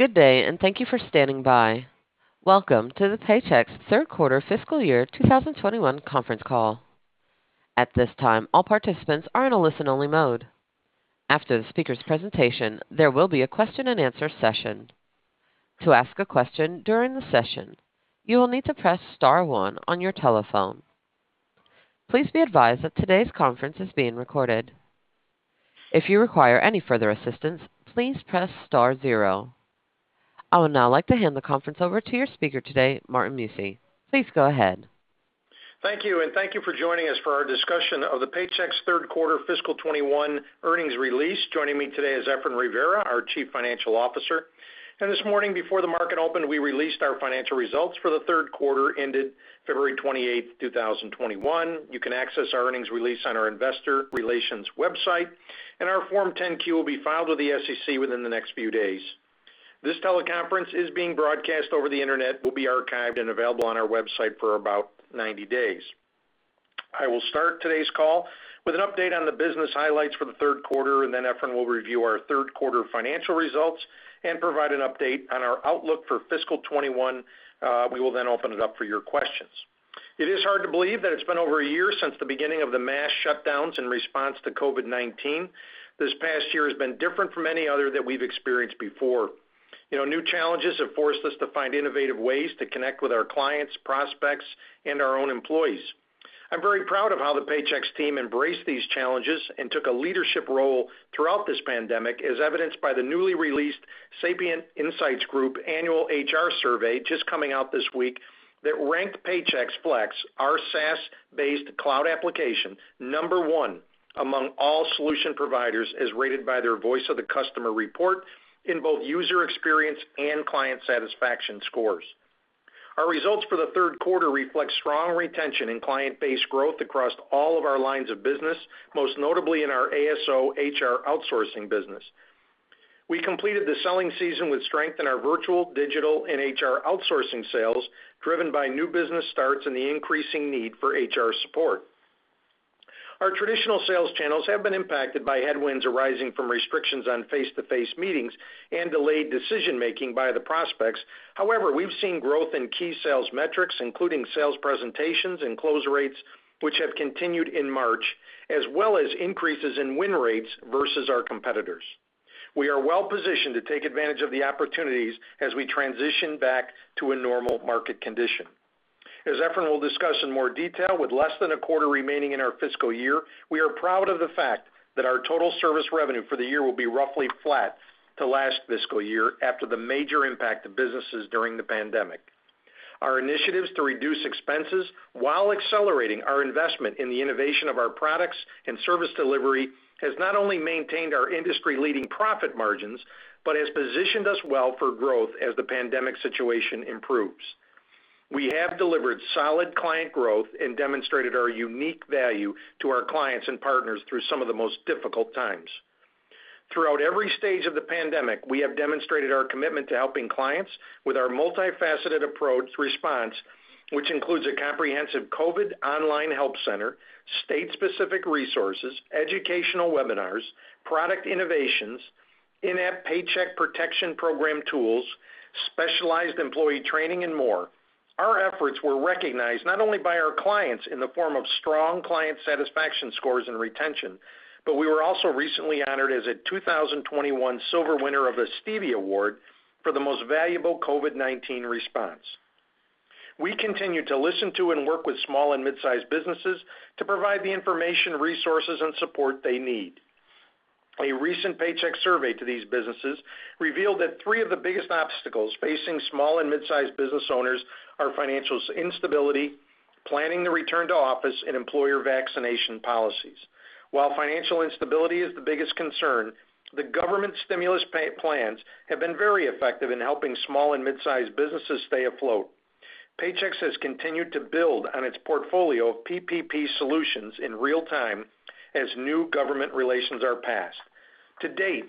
Good day, and thank you for standing by. Welcome to the Paychex third quarter fiscal year 2021 conference call. At this time, all participants are in a listen-only mode. After the speaker's presentation, there will be a question-and-answer session. To ask a question during the session, you will need to press star one on your telephone. Please be advised that today's conference is being recorded. If you require any further assistance, please press star zero. I would now like to hand the conference over to your speaker today, Martin Mucci. Please go ahead. Thank you, and thank you for joining us for our discussion of the Paychex third quarter fiscal 2021 earnings release. Joining me today is Efrain Rivera, our Chief Financial Officer. This morning before the market opened, we released our financial results for the third quarter, ended February 28, 2021. You can access our earnings release on our investor relations website, and our Form 10-Q will be filed with the SEC within the next few days. This teleconference is being broadcast over the Internet, will be archived and available on our website for about 90 days. I will start today's call with an update on the business highlights for the third quarter, and then Efrain will review our third quarter financial results and provide an update on our outlook for fiscal 2021. We will then open it up for your questions. It is hard to believe that it's been over one year since the beginning of the mass shutdowns in response to COVID-19. This past year has been different from any other that we've experienced before. You know, new challenges have forced us to find innovative ways to connect with our clients, prospects, and our own employees. I'm very proud of how the Paychex team embraced these challenges and took a leadership role throughout this pandemic, as evidenced by the newly released Sapient Insights Group annual HR survey just coming out this week that ranked Paychex Flex, our SaaS-based cloud application, number one among all solution providers, as rated by their Voice of the Customer report in both user experience and client satisfaction scores. Our results for the third quarter reflect strong retention in client base growth across all of our lines of business, most notably in our ASO HR outsourcing business. We completed the selling season with strength in our virtual, digital, and HR outsourcing sales, driven by new business starts and the increasing need for HR support. Our traditional sales channels have been impacted by headwinds arising from restrictions on face-to-face meetings and delayed decision-making by the prospects. We've seen growth in key sales metrics, including sales presentations and close rates, which have continued in March, as well as increases in win rates versus our competitors. We are well positioned to take advantage of the opportunities as we transition back to a normal market condition. As Efrain will discuss in more detail, with less than a quarter remaining in our fiscal year, we are proud of the fact that our total service revenue for the year will be roughly flat to last fiscal year after the major impact to businesses during the pandemic. Our initiatives to reduce expenses while accelerating our investment in the innovation of our products and service delivery has not only maintained our industry-leading profit margins, but has positioned us well for growth as the pandemic situation improves. We have delivered solid client growth and demonstrated our unique value to our clients and partners through some of the most difficult times. Throughout every stage of the pandemic, we have demonstrated our commitment to helping clients with our multifaceted approach response, which includes a comprehensive COVID online help center, state-specific resources, educational webinars, product innovations, in-app Paycheck Protection Program tools, specialized employee training, and more. Our efforts were recognized not only by our clients in the form of strong client satisfaction scores and retention, but we were also recently honored as a 2021 silver winner of the Stevie Award for the most valuable COVID-19 response. We continue to listen to and work with small and mid-sized businesses to provide the information, resources, and support they need. A recent Paychex survey to these businesses revealed that three of the biggest obstacles facing small and mid-sized business owners are financial instability, planning the return to office, and employer vaccination policies. While financial instability is the biggest concern, the government stimulus pay plans have been very effective in helping small and mid-sized businesses stay afloat. Paychex has continued to build on its portfolio of PPP solutions in real time as new government relations are passed. To date,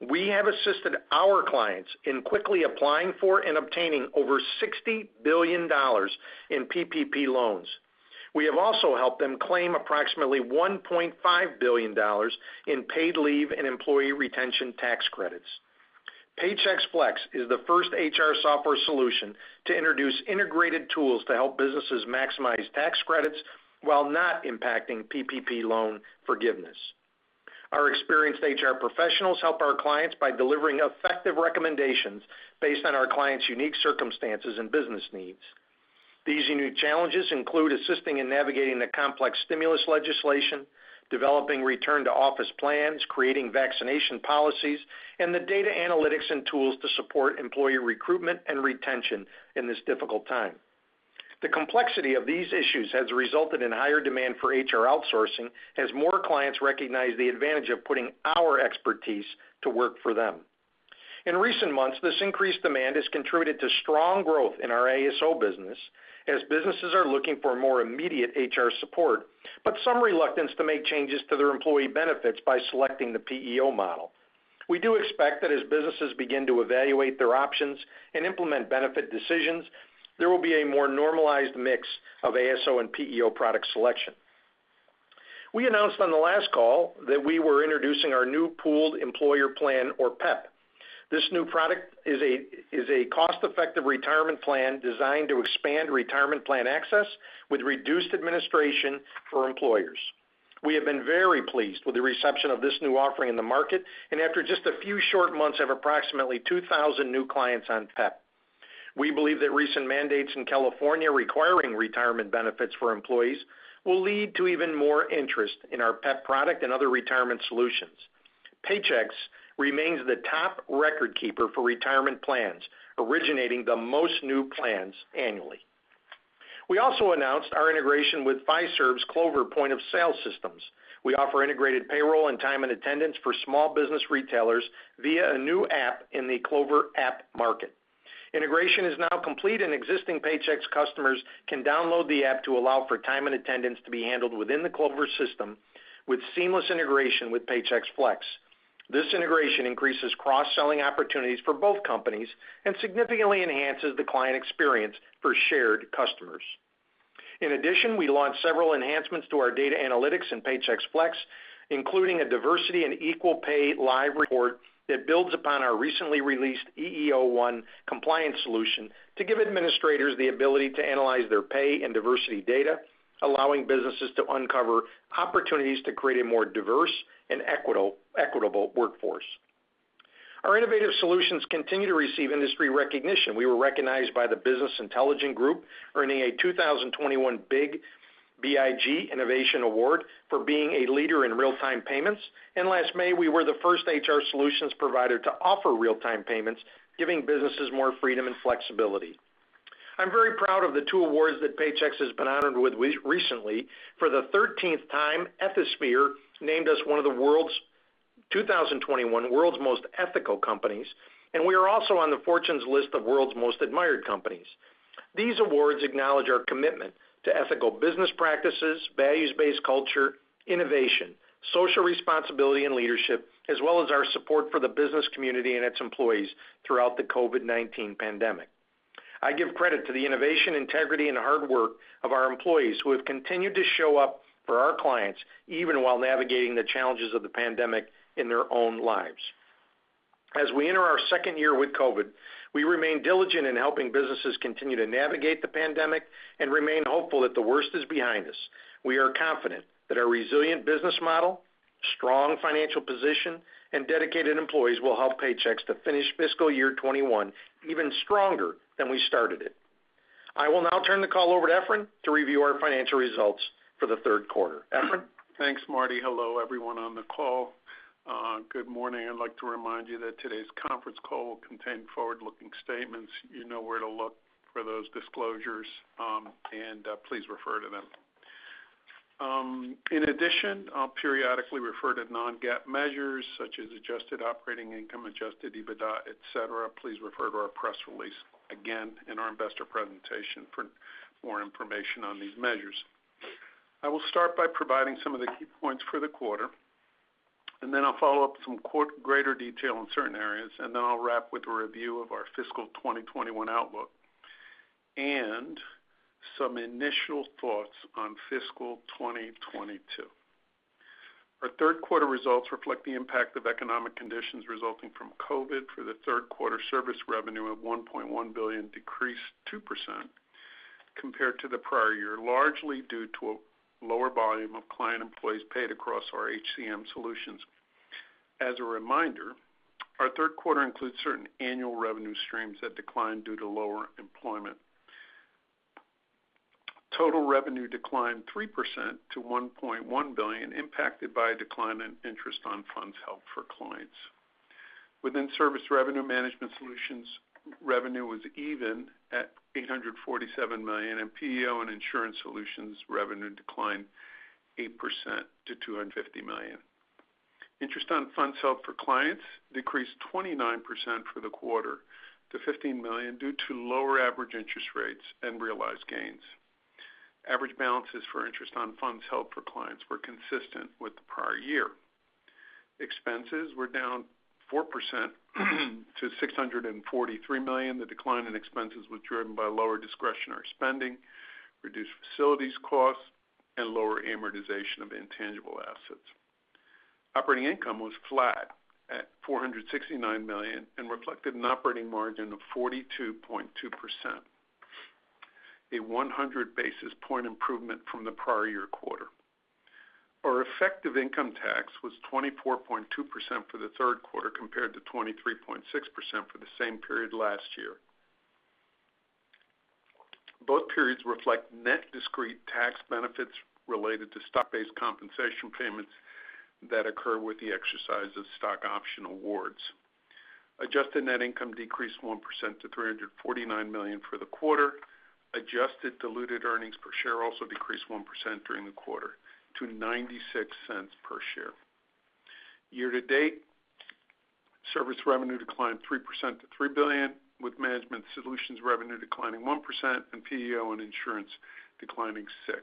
we have assisted our clients in quickly applying for and obtaining over $60 billion in PPP loans. We have also helped them claim approximately $1.5 billion in paid leave and employee retention tax credits. Paychex Flex is the first HR software solution to introduce integrated tools to help businesses maximize tax credits while not impacting PPP loan forgiveness. Our experienced HR professionals help our clients by delivering effective recommendations based on our clients' unique circumstances and business needs. These new challenges include assisting in navigating the complex stimulus legislation, developing return-to-office plans, creating vaccination policies, and the data analytics and tools to support employee recruitment and retention in this difficult time. The complexity of these issues has resulted in higher demand for HR outsourcing as more clients recognize the advantage of putting our expertise to work for them. In recent months, this increased demand has contributed to strong growth in our ASO business as businesses are looking for more immediate HR support, but some reluctance to make changes to their employee benefits by selecting the PEO model. We do expect that as businesses begin to evaluate their options and implement benefit decisions, there will be a more normalized mix of ASO and PEO product selection. We announced on the last call that we were introducing our new Pooled Employer Plan or PEP. This new product is a cost-effective retirement plan designed to expand retirement plan access with reduced administration for employers. We have been very pleased with the reception of this new offering in the market, and after just a few short months, have approximately 2,000 new clients on PEP. We believe that recent mandates in California requiring retirement benefits for employees will lead to even more interest in our PEP product and other retirement solutions. Paychex remains the top record keeper for retirement plans, originating the most new plans annually. We also announced our integration with Fiserv's Clover point-of-sale systems. We offer integrated payroll and time and attendance for small business retailers via a new app in the Clover App Market. Integration is now complete, and existing Paychex customers can download the app to allow for time and attendance to be handled within the Clover system with seamless integration with Paychex Flex. This integration increases cross-selling opportunities for both companies and significantly enhances the client experience for shared customers. In addition, we launched several enhancements to our data analytics in Paychex Flex, including a diversity and equal pay live report that builds upon our recently released EEO-1 compliance solution to give administrators the ability to analyze their pay and diversity data, allowing businesses to uncover opportunities to create a more diverse and equitable workforce. Our innovative solutions continue to receive industry recognition. We were recognized by the Business Intelligence Group, earning a 2021 BIG, BIG Innovation Award for being a leader in real-time payments. Last May, we were the first HR solutions provider to offer real-time payments, giving businesses more freedom and flexibility. I'm very proud of the two awards that Paychex has been honored with recently. For the 13th time, Ethisphere named us one of the 2021 World's Most Ethical Companies, and we are also on the Fortune's list of World's Most Admired Companies. These awards acknowledge our commitment to ethical business practices, values-based culture, innovation, social responsibility, and leadership, as well as our support for the business community and its employees throughout the COVID-19 pandemic. I give credit to the innovation, integrity, and hard work of our employees, who have continued to show up for our clients, even while navigating the challenges of the pandemic in their own lives. As we enter our second year with COVID, we remain diligent in helping businesses continue to navigate the pandemic and remain hopeful that the worst is behind us. We are confident that our resilient business model, strong financial position, and dedicated employees will help Paychex to finish fiscal year 2021 even stronger than we started it. I will now turn the call over to Efrain to review our financial results for the third quarter. Efrain? Thanks, Martin. Hello, everyone on the call. Good morning. I'd like to remind you that today's conference call will contain forward-looking statements. You know where to look for those disclosures, and please refer to them. In addition, I'll periodically refer to non-GAAP measures, such as adjusted operating income, adjusted EBITDA, et cetera. Please refer to our press release again in our investor presentation for more information on these measures. I will start by providing some of the key points for the quarter, and then I'll follow up greater detail in certain areas, and then I'll wrap with a review of our fiscal 2021 outlook and some initial thoughts on fiscal 2022. Our third quarter results reflect the impact of economic conditions resulting from COVID. For the third quarter, service revenue of $1.1 billion decreased 2% compared to the prior year, largely due to a lower volume of client employees paid across our HCM solutions. As a reminder, our third quarter includes certain annual revenue streams that declined due to lower employment. Total revenue declined 3% to $1.1 billion, impacted by a decline in interest on funds held for clients. Within service revenue, management solutions revenue was even at $847 million, and PEO and insurance solutions revenue declined 8% to $250 million. Interest on funds held for clients decreased 29% for the quarter to $15 million due to lower average interest rates and realized gains. Average balances for interest on funds held for clients were consistent with the prior year. Expenses were down 4% to $643 million. The decline in expenses was driven by lower discretionary spending, reduced facilities costs, and lower amortization of intangible assets. Operating income was flat at $469 million and reflected an operating margin of 42.2%, a 100 basis point improvement from the prior year quarter. Our effective income tax was 24.2% for the third quarter, compared to 23.6% for the same period last year. Both periods reflect net discrete tax benefits related to stock-based compensation payments that occur with the exercise of stock option awards. Adjusted net income decreased 1% to $349 million for the quarter. Adjusted diluted earnings per share also decreased 1% during the quarter to $0.96 per share. Year to date, service revenue declined 3% to $3 billion, with management solutions revenue declining 1% and PEO and insurance declining 6%.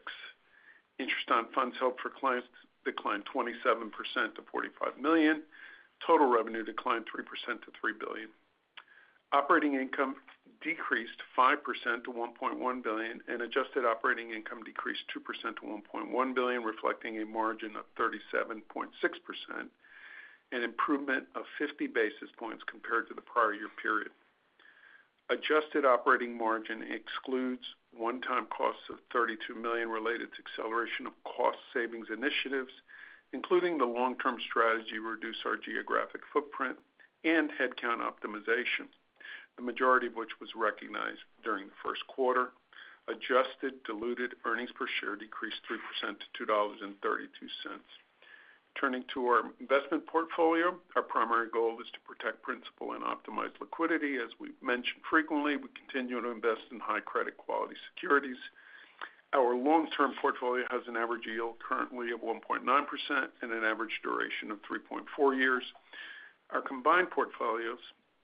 Interest on funds held for clients declined 27% to $45 million. Total revenue declined 3% to $3 billion. Operating income decreased 5% to $1.1 billion, and adjusted operating income decreased 2% to $1.1 billion, reflecting a margin of 37.6%, an improvement of 50 basis points compared to the prior year period. Adjusted operating margin excludes one-time costs of $32 million related to acceleration of cost savings initiatives, including the long-term strategy to reduce our geographic footprint and headcount optimization, the majority of which was recognized during the first quarter. Adjusted diluted earnings per share decreased 3% to $2.32. Turning to our investment portfolio, our primary goal is to protect principal and optimize liquidity. As we've mentioned frequently, we continue to invest in high credit quality securities. Our long-term portfolio has an average yield currently of 1.9% and an average duration of 3.4 years. Our combined portfolios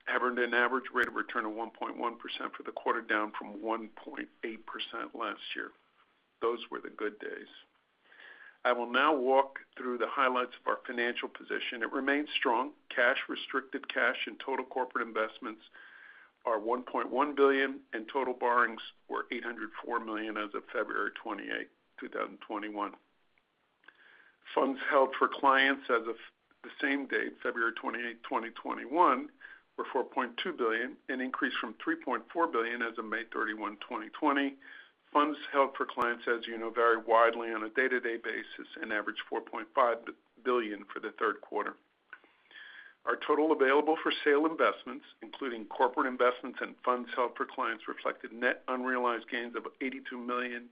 have earned an average rate of return of 1.1% for the quarter, down from 1.8% last year. Those were the good days. I will now walk through the highlights of our financial position. It remains strong. Cash, restricted cash, and total corporate investments are $1.1 billion, and total borrowings were $804 million as of February 28, 2021. Funds held for clients as of the same date, February 28, 2021, were $4.2 billion, an increase from $3.4 billion as of May 31, 2020. Funds held for clients, as you know, vary widely on a day-to-day basis and average $4.5 billion for the third quarter. Our total available for sale investments, including corporate investments and funds held for clients, reflected net unrealized gains of $82 million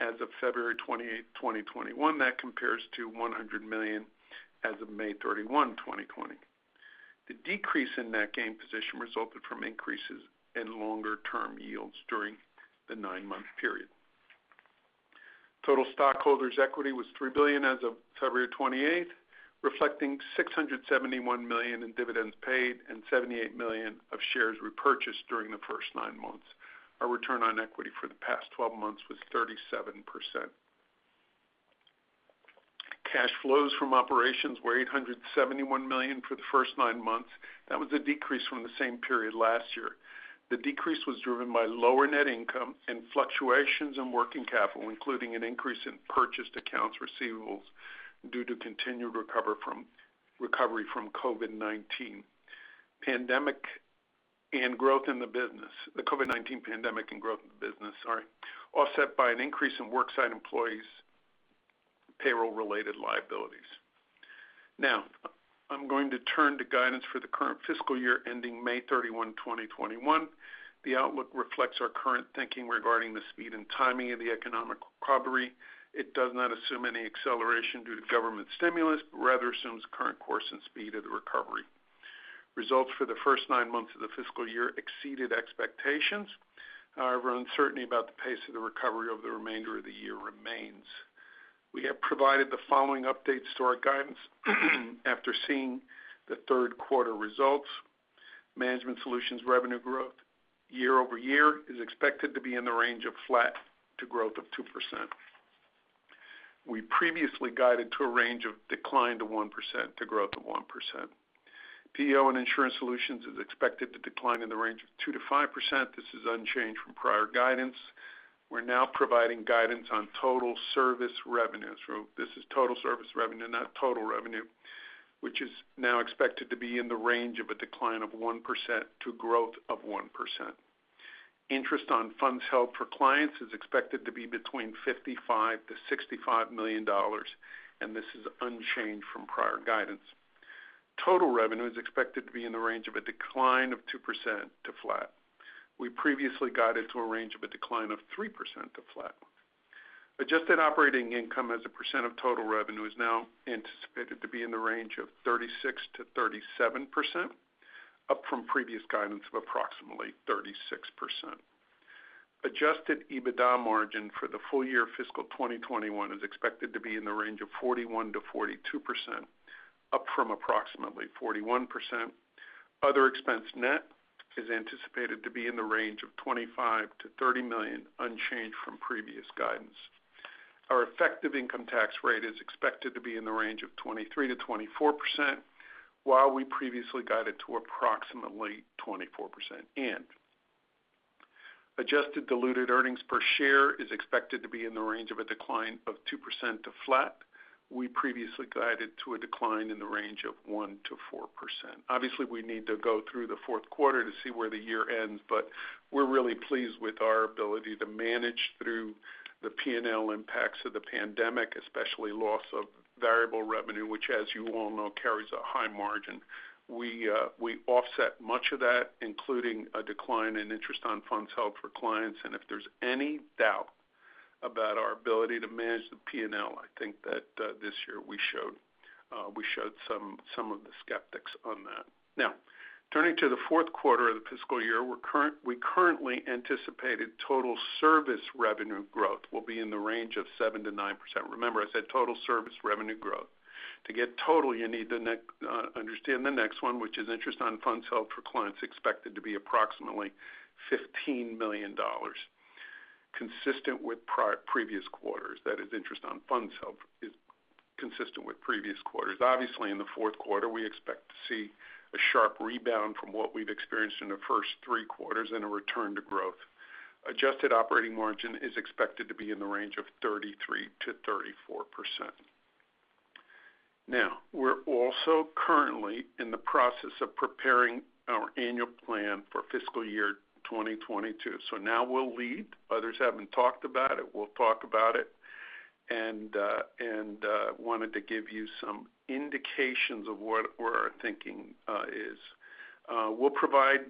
as of February 28, 2021. That compares to $100 million as of May 31, 2020. The decrease in net gain position resulted from increases in longer-term yields during the nine-month period. Total stockholders' equity was $3 billion as of February 28, reflecting $671 million in dividends paid and $78 million of shares repurchased during the first nine months. Our return on equity for the past 12 months was 37%. Cash flows from operations were $871 million for the first nine months. That was a decrease from the same period last year. The decrease was driven by lower net income and fluctuations in working capital, including an increase in purchased accounts receivables due to continued recovery from COVID-19 pandemic and growth in the business. The COVID-19 pandemic and growth in the business are offset by an increase in work site employees' payroll-related liabilities. I'm going to turn to guidance for the current fiscal year ending May 31, 2021. The outlook reflects our current thinking regarding the speed and timing of the economic recovery. It does not assume any acceleration due to government stimulus, rather assumes current course and speed of the recovery. Results for the first nine months of the fiscal year exceeded expectations. Uncertainty about the pace of the recovery over the remainder of the year remains. We have provided the following updates to our guidance after seeing the third quarter results. Management Solutions revenue growth year-over-year is expected to be in the range of flat to growth of 2%. We previously guided to a range of decline to 1% to growth of 1%. PEO and Insurance Solutions is expected to decline in the range of 2%-5%. This is unchanged from prior guidance. We're now providing guidance on total service revenues. This is total service revenue, not total revenue, which is now expected to be in the range of a decline of 1% to growth of 1%. Interest on funds held for clients is expected to be between $55 million-$65 million, and this is unchanged from prior guidance. Total revenue is expected to be in the range of a decline of 2% to flat. We previously guided to a range of a decline of 3% to flat. Adjusted operating income as a percent of total revenue is now anticipated to be in the range of 36%-37%, up from previous guidance of approximately 36%. Adjusted EBITDA margin for the full year fiscal 2021 is expected to be in the range of 41%-42%, up from approximately 41%. Other expense net is anticipated to be in the range of $25 million-$30 million, unchanged from previous guidance. Our effective income tax rate is expected to be in the range of 23%-24%, while we previously guided to approximately 24%. Adjusted diluted earnings per share is expected to be in the range of a decline of 2% to flat. We previously guided to a decline in the range of 1%-4%. Obviously, we need to go through the fourth quarter to see where the year ends, but we're really pleased with our ability to manage through the P&L impacts of the pandemic, especially loss of variable revenue, which, as you all know, carries a high margin. We offset much of that, including a decline in interest on funds held for clients. If there's any doubt about our ability to manage the P&L, I think that this year we showed some of the skeptics on that. Turning to the fourth quarter of the fiscal year, we currently anticipated total service revenue growth will be in the range of 7%-9%. Remember, I said total service revenue growth. To get total, you need to understand the next one, which is interest on funds held for clients, expected to be approximately $15 million. Consistent with previous quarters, that is interest on funds held is consistent with previous quarters. Obviously, in the fourth quarter, we expect to see a sharp rebound from what we've experienced in the first three quarters and a return to growth. Adjusted operating margin is expected to be in the range of 33%-34%. We're also currently in the process of preparing our annual plan for fiscal year 2022. We'll lead. Others haven't talked about it. We'll talk about it. Wanted to give you some indications of what our thinking is. We'll provide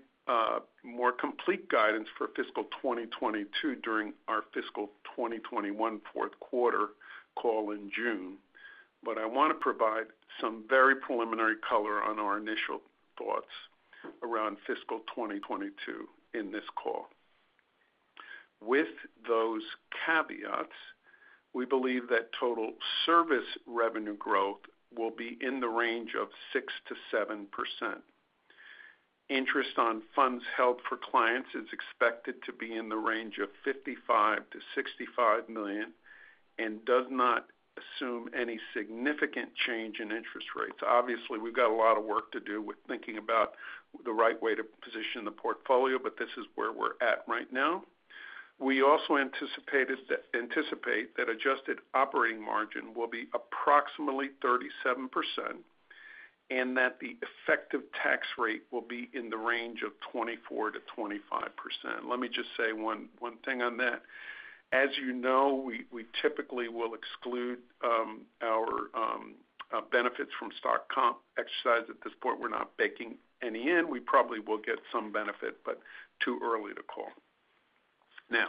more complete guidance for fiscal 2022 during our fiscal 2021 fourth quarter call in June. I wanna provide some very preliminary color on our initial thoughts around fiscal 2022 in this call. With those caveats, we believe that total service revenue growth will be in the range of 6%-7%. Interest on funds held for clients is expected to be in the range of $55 million-$65 million and does not assume any significant change in interest rates. Obviously, we've got a lot of work to do with thinking about the right way to position the portfolio, but this is where we're at right now. We also anticipate that adjusted operating margin will be approximately 37% and that the effective tax rate will be in the range of 24%-25%. Let me just say one thing on that. As you know, we typically will exclude our benefits from stock comp exercise. At this point, we're not baking any in. We probably will get some benefit, but too early to call. Now,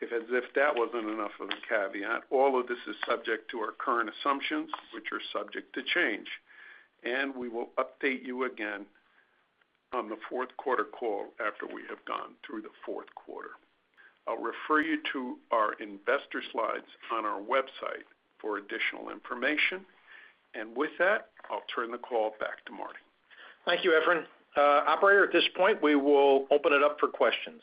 if as if that wasn't enough of a caveat, all of this is subject to our current assumptions, which are subject to change. We will update you again on the fourth quarter call after we have gone through the fourth quarter. I'll refer you to our investor slides on our website for additional information. With that, I'll turn the call back to Martin. Thank you, Efrain. Operator, at this point, we will open it up for questions.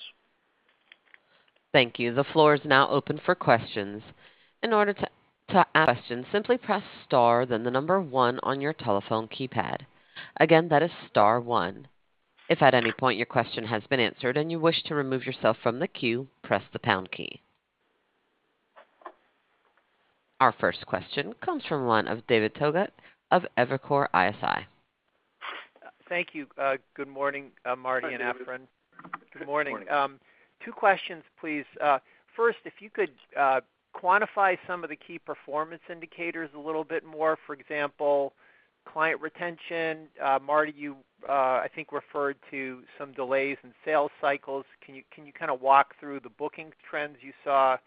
Thank you. The floor is now open for questions. In order to ask questions, simply press star then the number one on your telephone keypad. Again, that is star one. If at any point your question has been answered and you wish to remove yourself from the queue, press the pound key. Our first question comes from one of David Togut of Evercore ISI. Thank you. Good morning, Martin and Efrain. Good morning. Good morning. Good morning. Two questions, please. First, if you could quantify some of the key performance indicators a little bit more. For example, client retention. Martin, you, I think referred to some delays in sales cycles. Can you kind of walk through the booking trends you saw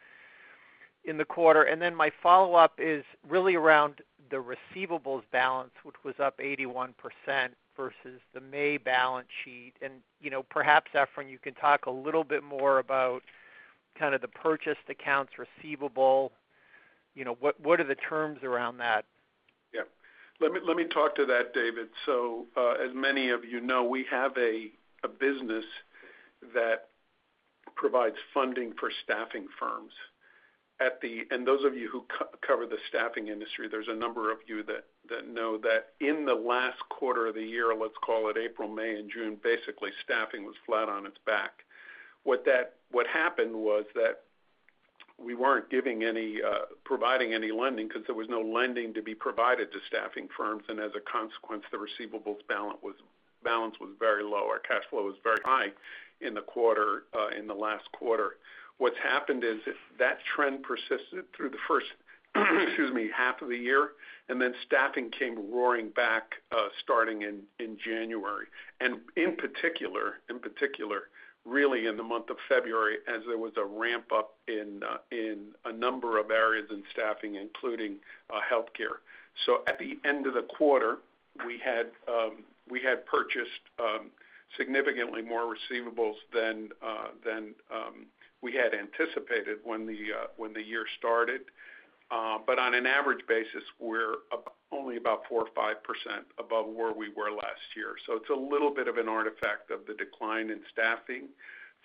in the quarter? My follow-up is really around the receivables balance, which was up 81% versus the May balance sheet. You know, perhaps, Efrain, you can talk a little bit more about kind of the purchased accounts receivable. You know, what are the terms around that? Yeah. Let me talk to that, David. As many of you know, we have a business that provides funding for staffing firms. Those of you who co-cover the staffing industry, there's a number of you that know that in the last quarter of the year, let's call it April, May, and June, basically, staffing was flat on its back. What happened was that we weren't providing any lending because there was no lending to be provided to staffing firms. As a consequence, the receivables balance was very low. Our cash flow was very high in the quarter, in the last quarter. What's happened is that trend persisted through the first, excuse me, half of the year, staffing came roaring back, starting in January. In particular, really in the month of February, as there was a ramp-up in a number of areas in staffing, including healthcare. At the end of the quarter, we had purchased significantly more receivables than than we had anticipated when the year started. On an average basis, we're only about 4% or 5% above where we were last year. It's a little bit of an artifact of the decline in staffing,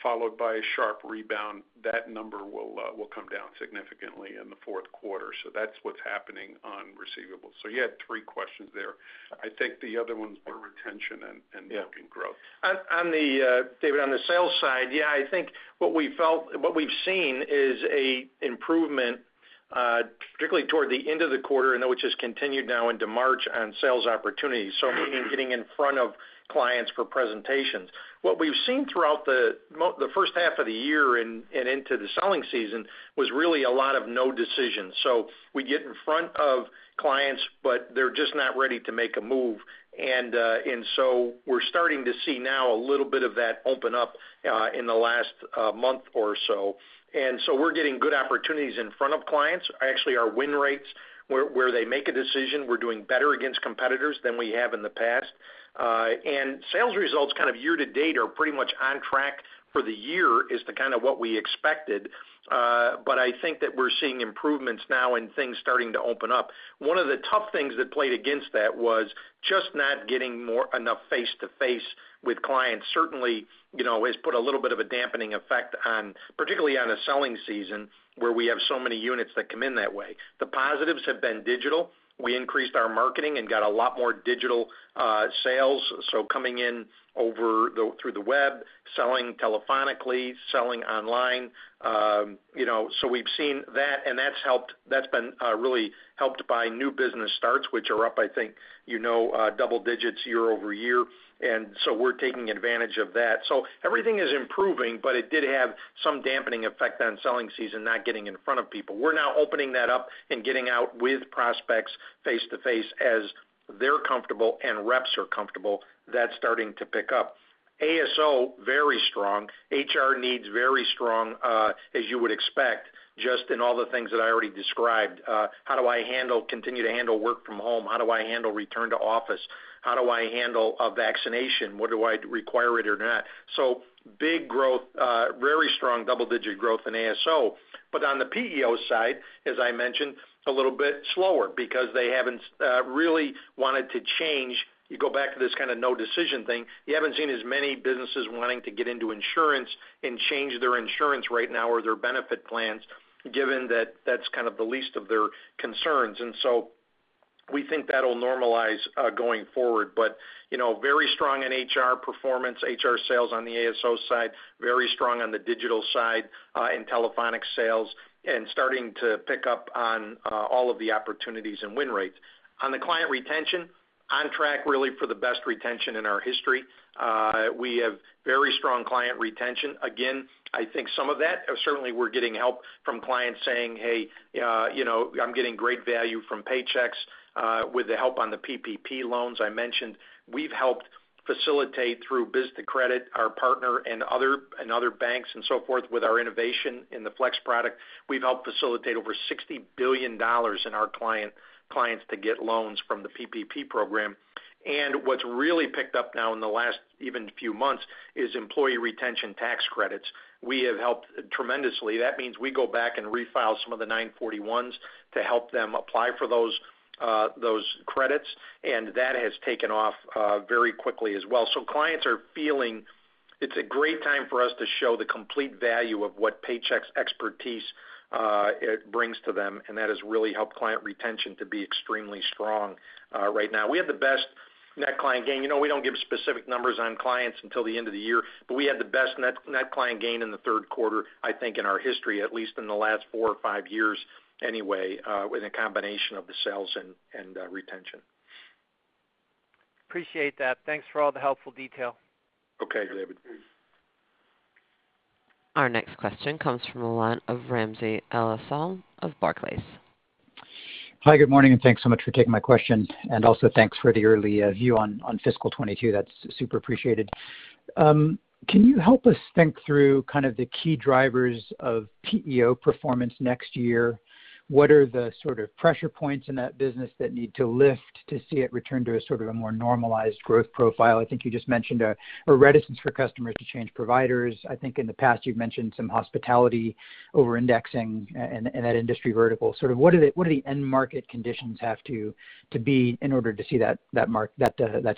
followed by a sharp rebound. That number will come down significantly in the fourth quarter. That's what's happening on receivables. You had three questions there. I think the other ones were retention and booking growth. On the David, on the sales side, yeah, I think what we've seen is a improvement, particularly toward the end of the quarter, and which has continued now into March on sales opportunities. So getting in front of clients for presentations. What we've seen throughout the first half of the year and into the selling season was really a lot of no decisions. So we get in front of clients, but they're just not ready to make a move. So we're starting to see now a little bit of that open up in the last month or so. So we're getting good opportunities in front of clients. Actually, our win rates where they make a decision, we're doing better against competitors than we have in the past. Sales results kind of year to date are pretty much on track for the year is the kind of what we expected. I think that we're seeing improvements now and things starting to open up. One of the tough things that played against that was just not getting enough face-to-face with clients certainly, you know, has put a little bit of a dampening effect on, particularly on a selling season where we have so many units that come in that way. The positives have been digital. We increased our marketing and got a lot more digital sales. Coming in over through the web, selling telephonically, selling online. You know, we've seen that, and that's helped. That's been really helped by new business starts, which are up, I think, you know, double digits year-over-year. We're taking advantage of that. Everything is improving, but it did have some dampening effect on selling season not getting in front of people. We're now opening that up and getting out with prospects face-to-face as they're comfortable and reps are comfortable, that's starting to pick up. ASO, very strong. HR needs very strong, as you would expect, just in all the things that I already described. How do I handle, continue to handle work from home? How do I handle return to office? How do I handle a vaccination? What do I require it or not? Big growth, very strong double-digit growth in ASO. On the PEO side, as I mentioned, a little bit slower because they haven't really wanted to change. You go back to this kind of no decision thing. You haven't seen as many businesses wanting to get into insurance and change their insurance right now or their benefit plans, given that that's kind of the least of their concerns. We think that'll normalize going forward. You know, very strong in HR performance, HR sales on the ASO side, very strong on the digital side, in telephonic sales, and starting to pick up on all of the opportunities and win rates. On the client retention, on track really for the best retention in our history. We have very strong client retention. Again, I think some of that, certainly we're getting help from clients saying, "Hey, you know, I'm getting great value from Paychex," with the help on the PPP loans I mentioned. We've helped facilitate through Biz2Credit, our partner, and other banks and so forth with our innovation in the Flex product. We've helped facilitate over $60 billion in our clients to get loans from the PPP program. What's really picked up now in the last even few months is employee retention tax credits. We have helped tremendously. That means we go back and refile some of the IRS Form 941s to help them apply for those credits, and that has taken off very quickly as well. Clients are feeling it's a great time for us to show the complete value of what Paychex expertise it brings to them, and that has really helped client retention to be extremely strong right now. We have the best net client gain. You know, we don't give specific numbers on clients until the end of the year, but we had the best net client gain in the third quarter, I think, in our history, at least in the last four or five years anyway, with a combination of the sales and retention. Appreciate that. Thanks for all the helpful detail. Okay, David. Our next question comes from the line of Ramsey El-Assal of Barclays. Hi, good morning, and thanks so much for taking my question, and also thanks for the early view on fiscal 2022. That's super appreciated. Can you help us think through kind of the key drivers of PEO performance next year? What are the sort of pressure points in that business that need to lift to see it return to a sort of a more normalized growth profile? I think you just mentioned a reticence for customers to change providers. I think in the past you've mentioned some hospitality over-indexing in that industry vertical. Sort of what are the end market conditions have to be in order to see that mark that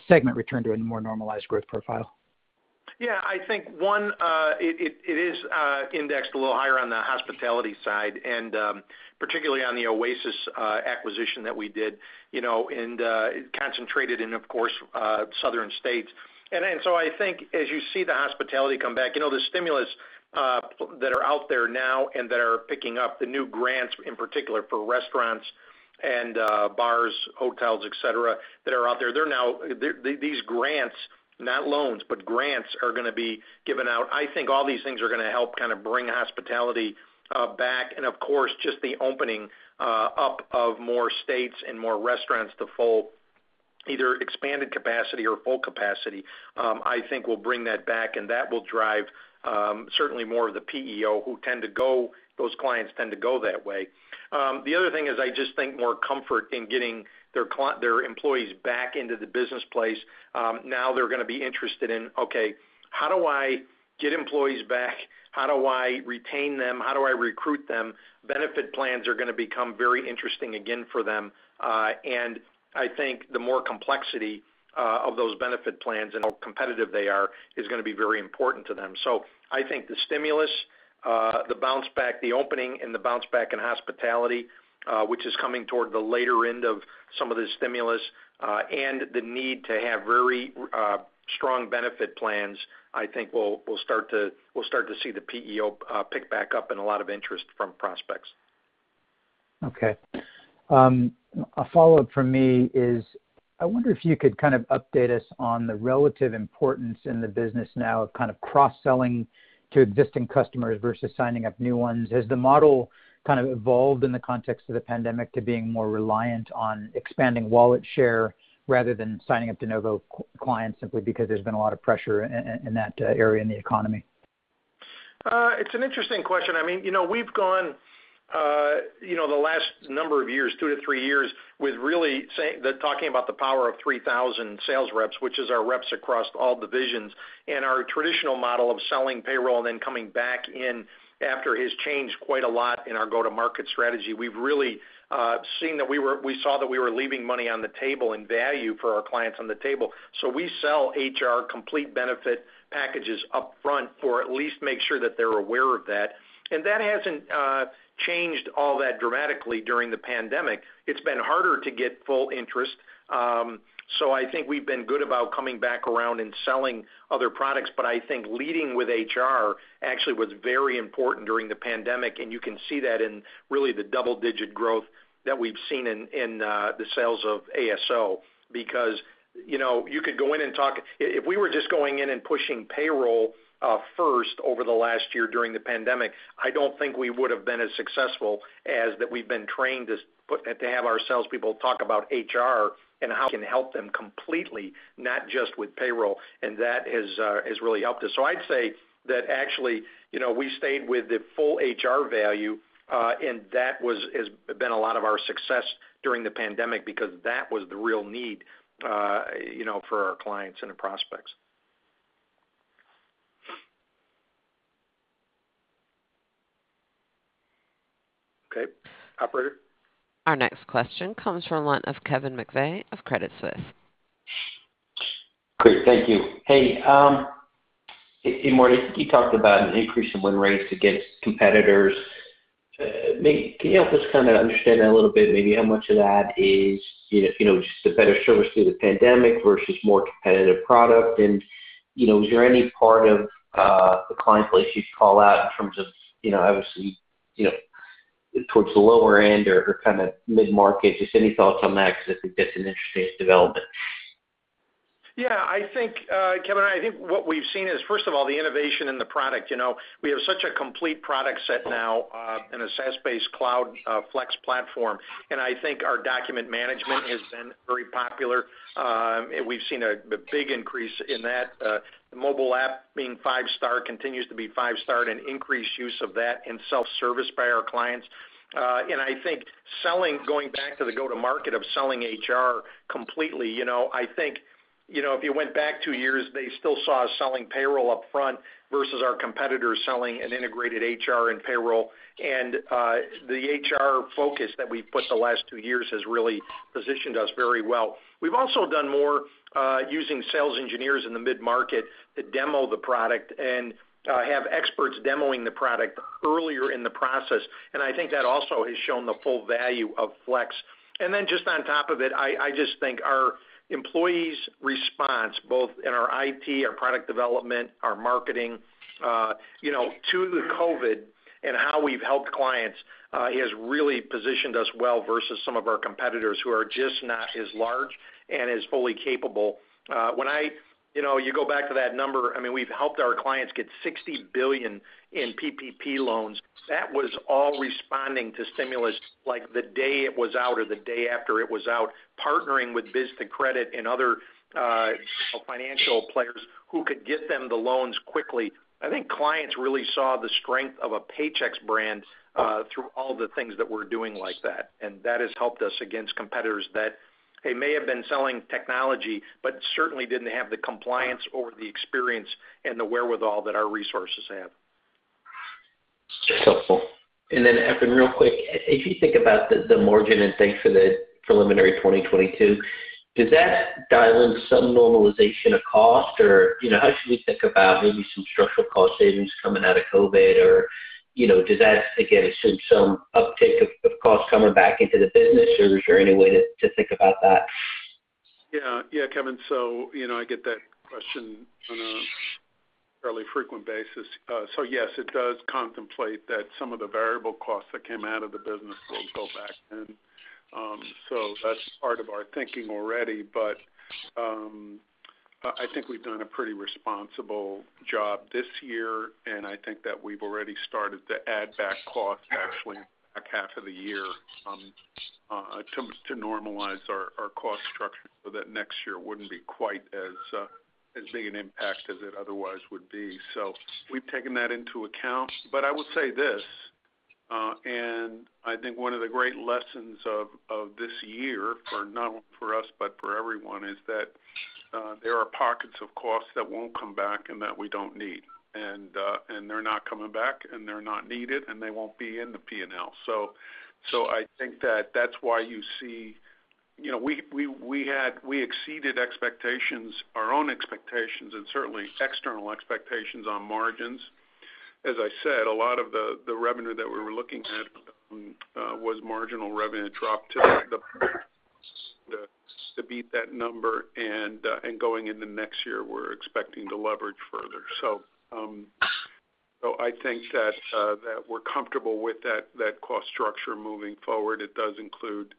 segment return to a more normalized growth profile? Yeah, I think one, it is indexed a little higher on the hospitality side and, particularly on the Oasis acquisition that we did, you know, and, concentrated in, of course, southern states. I think as you see the hospitality come back, you know, the stimulus that are out there now and that are picking up the new grants, in particular for restaurants and bars, hotels, et cetera, that are out there, they're now These grants, not loans, but grants are gonna be given out. I think all these things are gonna help kind of bring hospitality back. Of course, just the opening up of more states and more restaurants to full either expanded capacity or full capacity, I think will bring that back and that will drive certainly more of the PEO who tend to go, those clients tend to go that way. The other thing is I just think more comfort in getting their employees back into the business place. Now they're gonna be interested in, okay, how do I get employees back? How do I retain them? How do I recruit them? Benefit plans are gonna become very interesting again for them. I think the more complexity of those benefit plans and how competitive they are is gonna be very important to them. I think the stimulus, the bounce back, the opening and the bounce back in hospitality, which is coming toward the later end of some of the stimulus, and the need to have very strong benefit plans, I think we'll start to see the PEO pick back up and a lot of interest from prospects. Okay. A follow-up from me is, I wonder if you could kind of update us on the relative importance in the business now of kind of cross-selling to existing customers versus signing up new ones. Has the model kind of evolved in the context of the pandemic to being more reliant on expanding wallet share rather than signing up de novo clients simply because there's been a lot of pressure in that area in the economy? It's an interesting question. I mean, you know, we've gone, you know, the last number of years, two to three years, talking about the power of 3,000 sales reps, which is our reps across all divisions. Our traditional model of selling payroll and then coming back in after has changed quite a lot in our go-to-market strategy. We've really seen that we saw that we were leaving money on the table and value for our clients on the table. We sell HR complete benefit packages upfront or at least make sure that they're aware of that. That hasn't changed all that dramatically during the pandemic. It's been harder to get full interest, so I think we've been good about coming back around and selling other products. I think leading with HR actually was very important during the pandemic, and you can see that in really the double-digit growth that we've seen in the sales of ASO because, you know, you could go in and talk. If we were just going in and pushing payroll first over the last year during the pandemic, I don't think we would have been as successful as that we've been trained to have our salespeople talk about HR and how we can help them completely, not just with payroll, and that has really helped us. I'd say that actually, you know, we stayed with the full HR value, and that has been a lot of our success during the pandemic because that was the real need, you know, for our clients and the prospects. Okay. Operator? Our next question comes from one of Kevin McVeigh of Credit Suisse. Great. Thank you. Hey, Martin, I think you talked about an increase in win rates against competitors. Can you help us kind of understand that a little bit, maybe how much of that is, you know, you know, just a better service through the pandemic versus more competitive product? You know, was there any part of the client base you'd call out in terms of, you know, obviously, you know, towards the lower end or kind of mid-market? Just any thoughts on that, because I think that's an interesting development. Yeah. I think, Kevin, I think what we've seen is, first of all, the innovation in the product. You know, we have such a complete product set now, in a SaaS-based cloud, Flex platform, and I think our document management has been very popular. We've seen a big increase in that. The mobile app being five-star continues to be five-star, and increased use of that in self-service by our clients. I think selling, going back to the go-to-market of selling HR completely, you know, I think, you know, if you went back two years, they still saw us selling payroll upfront versus our competitors selling an integrated HR and payroll. The HR focus that we've put the last two years has really positioned us very well. We've also done more, using sales engineers in the mid-market to demo the product and have experts demoing the product earlier in the process, and I think that also has shown the full value of Flex. Then just on top of it, I just think our employees' response, both in our IT, our product development, our marketing, you know, to the COVID and how we've helped clients, has really positioned us well versus some of our competitors who are just not as large and as fully capable. When you know, you go back to that number, I mean, we've helped our clients get $60 billion in PPP loans. That was all responding to stimulus, like the day it was out or the day after it was out, partnering with Biz2Credit and other financial players who could get them the loans quickly. I think clients really saw the strength of a Paychex brand, through all the things that we're doing like that has helped us against competitors that they may have been selling technology, but certainly didn't have the compliance or the experience and the wherewithal that our resources have. That's helpful. Then, Efrain, real quick, if you think about the margin and things for the preliminary 2022, does that dial in some normalization of cost? You know, how should we think about maybe some structural cost savings coming out of COVID? You know, does that, again, assume some uptick of cost coming back into the business, or is there any way to think about that? Yeah. Yeah, Kevin. You know, I get that question on a fairly frequent basis. Yes, it does contemplate that some of the variable costs that came out of the business will go back in. That's part of our thinking already. I think we've done a pretty responsible job this year, and I think that we've already started to add back costs actually back half of the year to normalize our cost structure so that next year wouldn't be quite as big an impact as it otherwise would be. We've taken that into account. I will say this, I think one of the great lessons of this year, for not only for us, but for everyone, is that there are pockets of costs that won't come back and that we don't need. They're not coming back, and they're not needed, and they won't be in the P&L. I think that that's why you see You know, we exceeded expectations, our own expectations and certainly external expectations on margins. As I said, a lot of the revenue that we were looking at was marginal revenue drop to beat that number. Going into next year, we're expecting to leverage further. I think that we're comfortable with that cost structure moving forward. It does include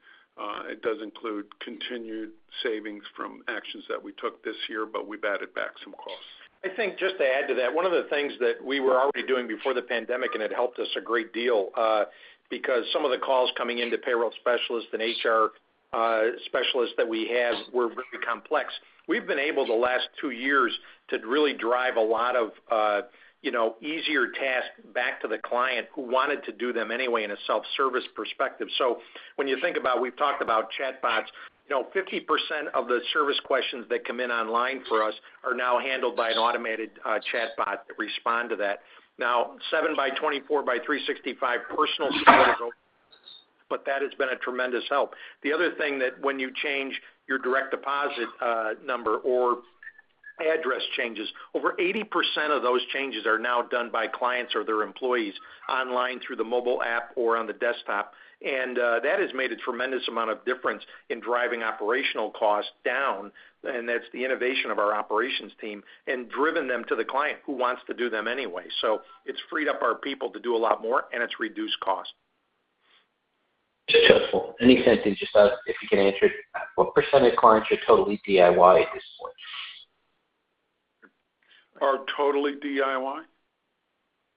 continued savings from actions that we took this year, but we've added back some costs. I think just to add to that, one of the things that we were already doing before the pandemic, and it helped us a great deal, because some of the calls coming into payroll specialists and HR specialists that we have were very complex. We've been able, the last two years, to really drive a lot of, you know, easier tasks back to the client who wanted to do them anyway in a self-service perspective. When you think about, we've talked about chatbots, you know, 50% of the service questions that come in online for us are now handled by an automated chatbot that respond to that. 7 by 24 by 365 personal support is open, but that has been a tremendous help. The other thing that when you change your direct deposit, number or address changes, over 80% of those changes are now done by clients or their employees online through the mobile app or on the desktop. That has made a tremendous amount of difference in driving operational costs down, and that's the innovation of our operations team, and driven them to the client who wants to do them anyway. It's freed up our people to do a lot more, and it's reduced cost. Successful. Any sense, and just ask if you can answer it, what percent of clients are totally DIY at this point? Are totally DIY?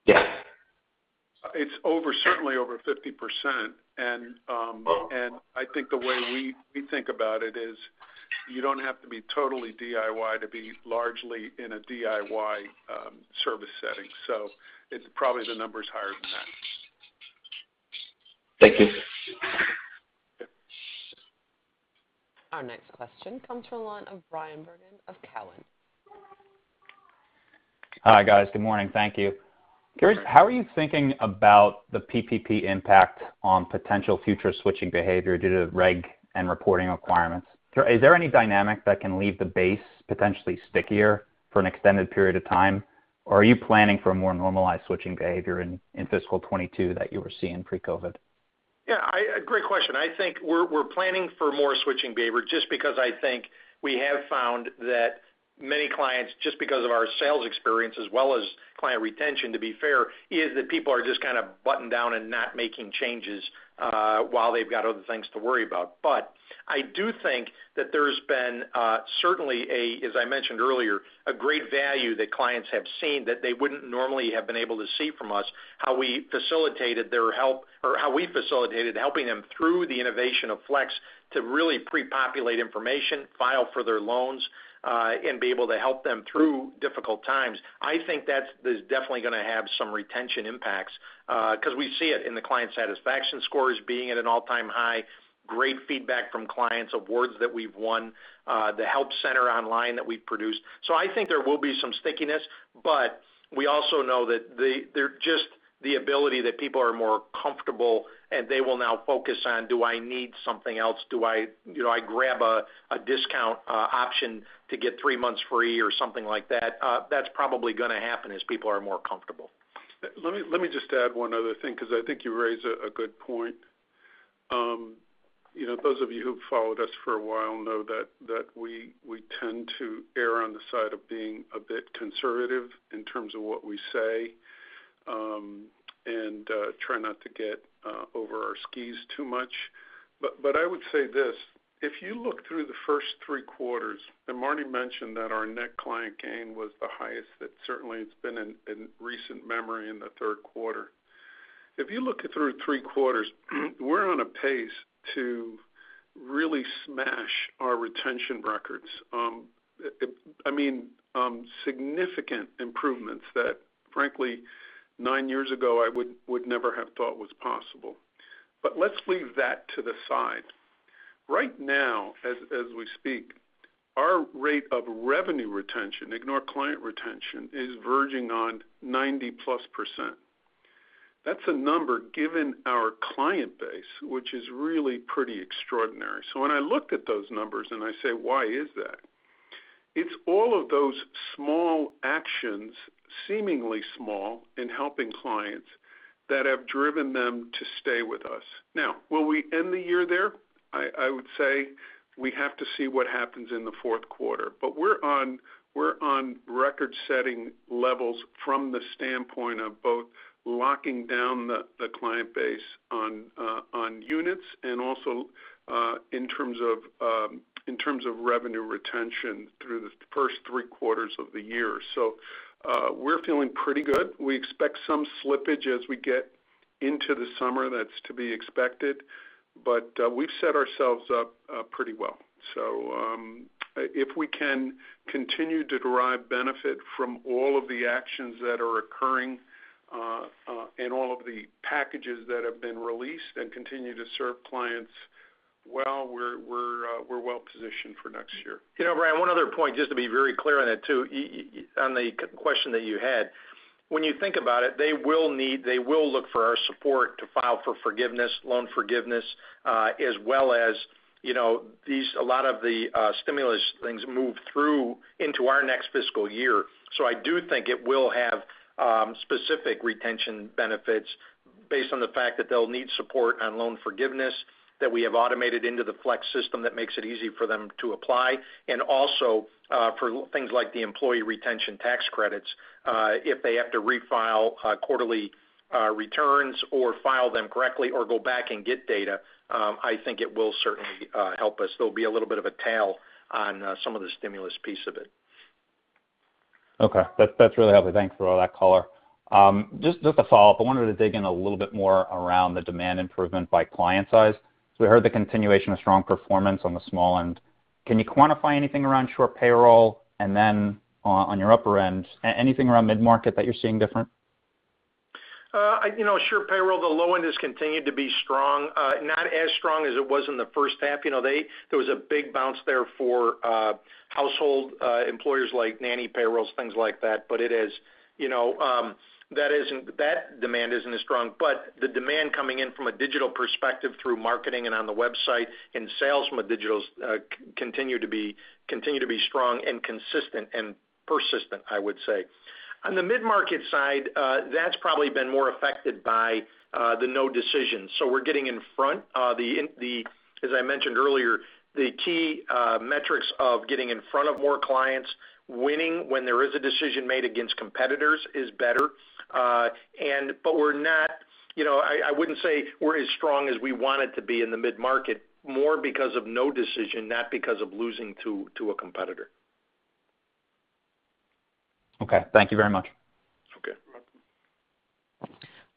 Yes. It's over, certainly over 50%. I think the way we think about it is you don't have to be totally DIY to be largely in a DIY service setting. Probably the number is higher than that. Thank you. Our next question comes from the line of Bryan Bergin of Cowen. Hi, guys. Good morning. Thank you. Curious, how are you thinking about the PPP impact on potential future switching behavior due to reg and reporting requirements? Is there any dynamic that can leave the base potentially stickier for an extended period of time? Are you planning for a more normalized switching behavior in fiscal 2022 that you were seeing pre-COVID? Yeah. Great question. I think we're planning for more switching behavior, just because I think we have found that many clients, just because of our sales experience as well as client retention, to be fair, is that people are just kind of buttoned down and not making changes, while they've got other things to worry about. I do think that there's been, certainly a, as I mentioned earlier, a great value that clients have seen that they wouldn't normally have been able to see from us, how we facilitated their help or how we facilitated helping them through the innovation of Flex to really pre-populate information, file for their loans, and be able to help them through difficult times. I think that's, there's definitely gonna have some retention impacts, 'cause we see it in the client satisfaction scores being at an all-time high, great feedback from clients, awards that we've won, the help center online that we've produced. I think there will be some stickiness, but we also know that they're just the ability that people are more comfortable and they will now focus on, do I need something else? Do I, you know, grab a discount option to get three months free or something like that. That's probably gonna happen as people are more comfortable. Let me just add one other thing because I think you raise a good point. You know, those of you who've followed us for a while know that we tend to err on the side of being a bit conservative in terms of what we say and try not to get over our skis too much. I would say this, if you look through the first three quarters, and Martin mentioned that our net client gain was the highest that certainly it's been in recent memory in the third quarter. If you look through three quarters, we're on a pace to really smash our retention records. I mean, significant improvements that frankly nine years ago I would never have thought was possible. Let's leave that to the side. Right now as we speak, our rate of revenue retention, ignore client retention, is verging on 90%+. That's a number given our client base, which is really pretty extraordinary. When I look at those numbers and I say, "Why is that?" It's all of those small actions, seemingly small in helping clients, that have driven them to stay with us. Will we end the year there? I would say we have to see what happens in the fourth quarter. We're on record-setting levels from the standpoint of both locking down the client base on units and also in terms of revenue retention through the first three quarters of the year. We're feeling pretty good. We expect some slippage as we get into the summer. That's to be expected, but we've set ourselves up pretty well. If we can continue to derive benefit from all of the actions that are occurring and all of the packages that have been released and continue to serve clients well, we're well positioned for next year. You know, Bryan, one other point just to be very clear on that too. On the question that you had, when you think about it, they will need, they will look for our support to file for forgiveness, loan forgiveness, as well as, you know, these, a lot of the stimulus things move through into our next fiscal year. I do think it will have specific retention benefits based on the fact that they'll need support on loan forgiveness that we have automated into the Paychex Flex system that makes it easy for them to apply. Also, for things like the employee retention tax credits, if they have to refile quarterly returns or file them correctly or go back and get data, I think it will certainly help us. There'll be a little bit of a tail on some of the stimulus piece of it. Okay. That's really helpful. Thanks for all that color. Just a follow-up. I wanted to dig in a little bit more around the demand improvement by client size. We heard the continuation of strong performance on the small end. Can you quantify anything around SurePayroll? On your upper end, anything around mid-market that you're seeing different? You know, SurePayroll, the low end has continued to be strong, not as strong as it was in the first half. You know, there was a big bounce there for household employers like nanny payrolls, things like that. It is, you know, that demand isn't as strong. The demand coming in from a digital perspective through marketing and on the website and sales from a digital continue to be strong and consistent and persistent, I would say. On the mid-market side, that's probably been more affected by the no decision. We're getting in front. The, as I mentioned earlier, the key metrics of getting in front of more clients, winning when there is a decision made against competitors is better. We're not, you know, I wouldn't say we're as strong as we wanted to be in the mid-market, more because of no decision, not because of losing to a competitor. Okay. Thank you very much. Okay.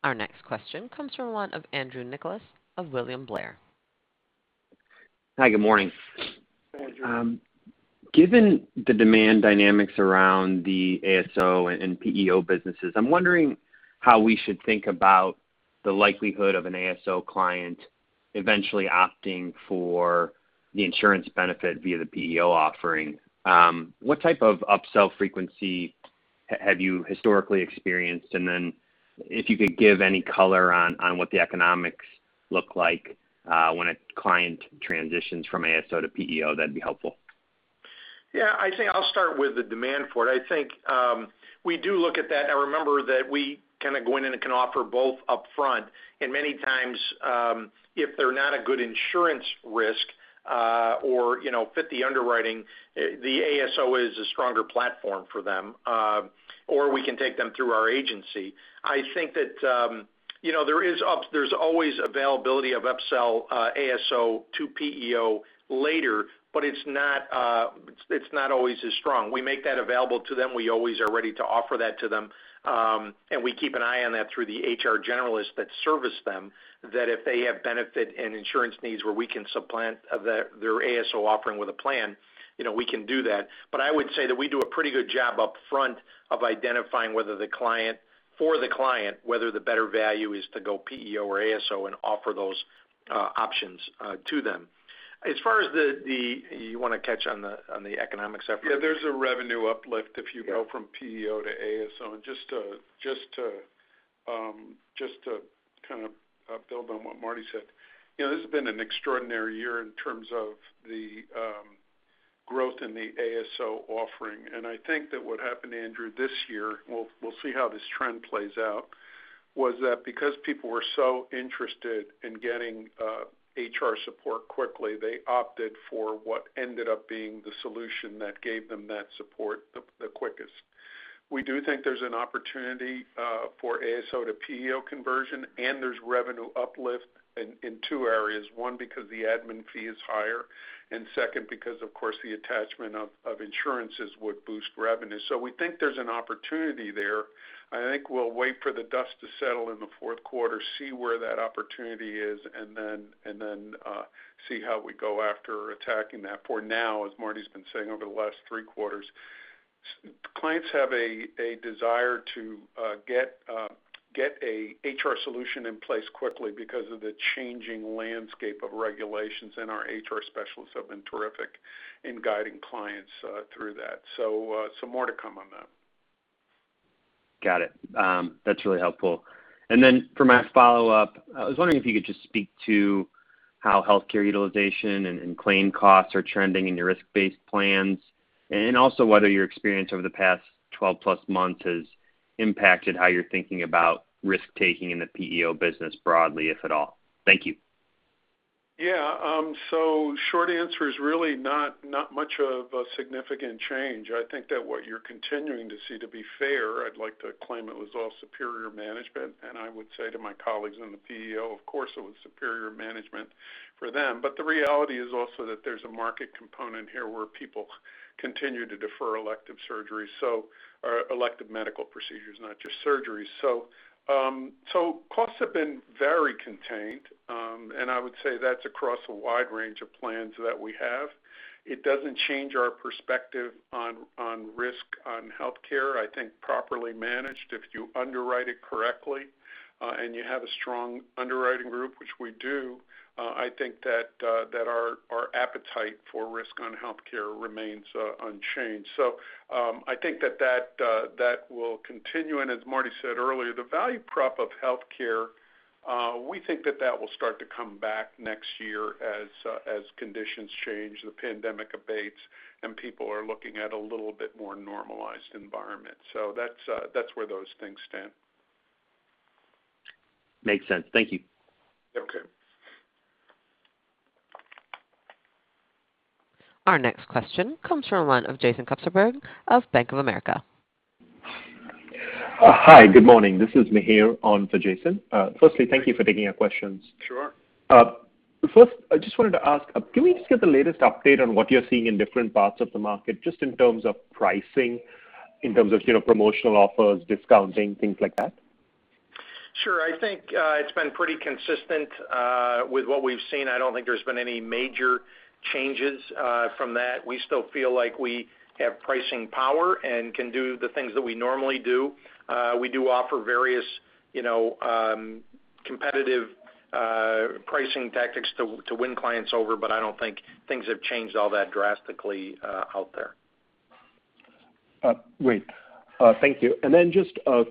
Our next question comes from one of Andrew Nicholas of William Blair. Hi, good morning. Hi, Andrew. Given the demand dynamics around the ASO and PEO businesses, I'm wondering how we should think about the likelihood of an ASO client eventually opting for the insurance benefit via the PEO offering. What type of upsell frequency have you historically experienced? If you could give any color on what the economics look like when a client transitions from ASO to PEO, that'd be helpful. Yeah. I think I'll start with the demand for it. I think, we do look at that. Now remember that we kinda go in and can offer both upfront, and many times, if they're not a good insurance risk, or, you know, fit the underwriting, the ASO is a stronger platform for them. We can take them through our agency. I think that, you know, there's always availability of upsell, ASO to PEO later, but it's not always as strong. We make that available to them. We always are ready to offer that to them. We keep an eye on that through the HR generalists that service them, that if they have benefit and insurance needs where we can supplant their ASO offering with a plan, you know, we can do that. I would say that we do a pretty good job upfront of identifying for the client whether the better value is to go PEO or ASO and offer those options to them. As far as the, you wanna touch on the economics effort? Yeah, there's a revenue uplift if you go from PEO to ASO. Just to kind of build on what Martin said, you know, this has been an extraordinary year in terms of the growth in the ASO offering. I think that what happened, Andrew, this year, we'll see how this trend plays out, was that because people were so interested in getting HR support quickly, they opted for what ended up being the solution that gave them that support the quickest. We do think there's an opportunity for ASO to PEO conversion, and there's revenue uplift in two areas. One, because the admin fee is higher, and second, because of course the attachment of insurances would boost revenue. We think there's an opportunity there. I think we'll wait for the dust to settle in the fourth quarter, see where that opportunity is, and then see how we go after attacking that. For now, as Martin's been saying over the last three quarters, clients have a desire to get a HR solution in place quickly because of the changing landscape of regulations. Our HR specialists have been terrific in guiding clients through that. Some more to come on that. Got it. That's really helpful. For my follow-up, I was wondering if you could just speak to how healthcare utilization and claim costs are trending in your risk-based plans, and also whether your experience over the past 12+ months has impacted how you're thinking about risk-taking in the PEO business broadly, if at all. Thank you. Yeah. Short answer is really not much of a significant change. I think that what you're continuing to see, to be fair, I'd like to claim it was all superior management, and I would say to my colleagues in the PEO, of course it was superior management for them. The reality is also that there's a market component here where people continue to defer elective surgeries, or elective medical procedures, not just surgeries. Costs have been very contained, and I would say that's across a wide range of plans that we have. It doesn't change our perspective on risk on healthcare. I think properly managed, if you underwrite it correctly, and you have a strong underwriting group, which we do, I think that our appetite for risk on healthcare remains unchanged. I think that that will continue. As Martin said earlier, the value prop of healthcare, we think that that will start to come back next year as conditions change, the pandemic abates, and people are looking at a little bit more normalized environment. That's where those things stand. Makes sense. Thank you. Okay. Our next question comes from one of Jason Kupferberg of Bank of America. Hi, good morning. This is Mihir on for Jason. Firstly, thank you for taking our questions. Sure. First, I just wanted to ask, can we just get the latest update on what you're seeing in different parts of the market, just in terms of pricing, in terms of, you know, promotional offers, discounting, things like that? Sure. I think it's been pretty consistent with what we've seen. I don't think there's been any major changes from that. We still feel like we have pricing power and can do the things that we normally do. We do offer various, you know, competitive pricing tactics to win clients over, but I don't think things have changed all that drastically out there. Great. Thank you. Just a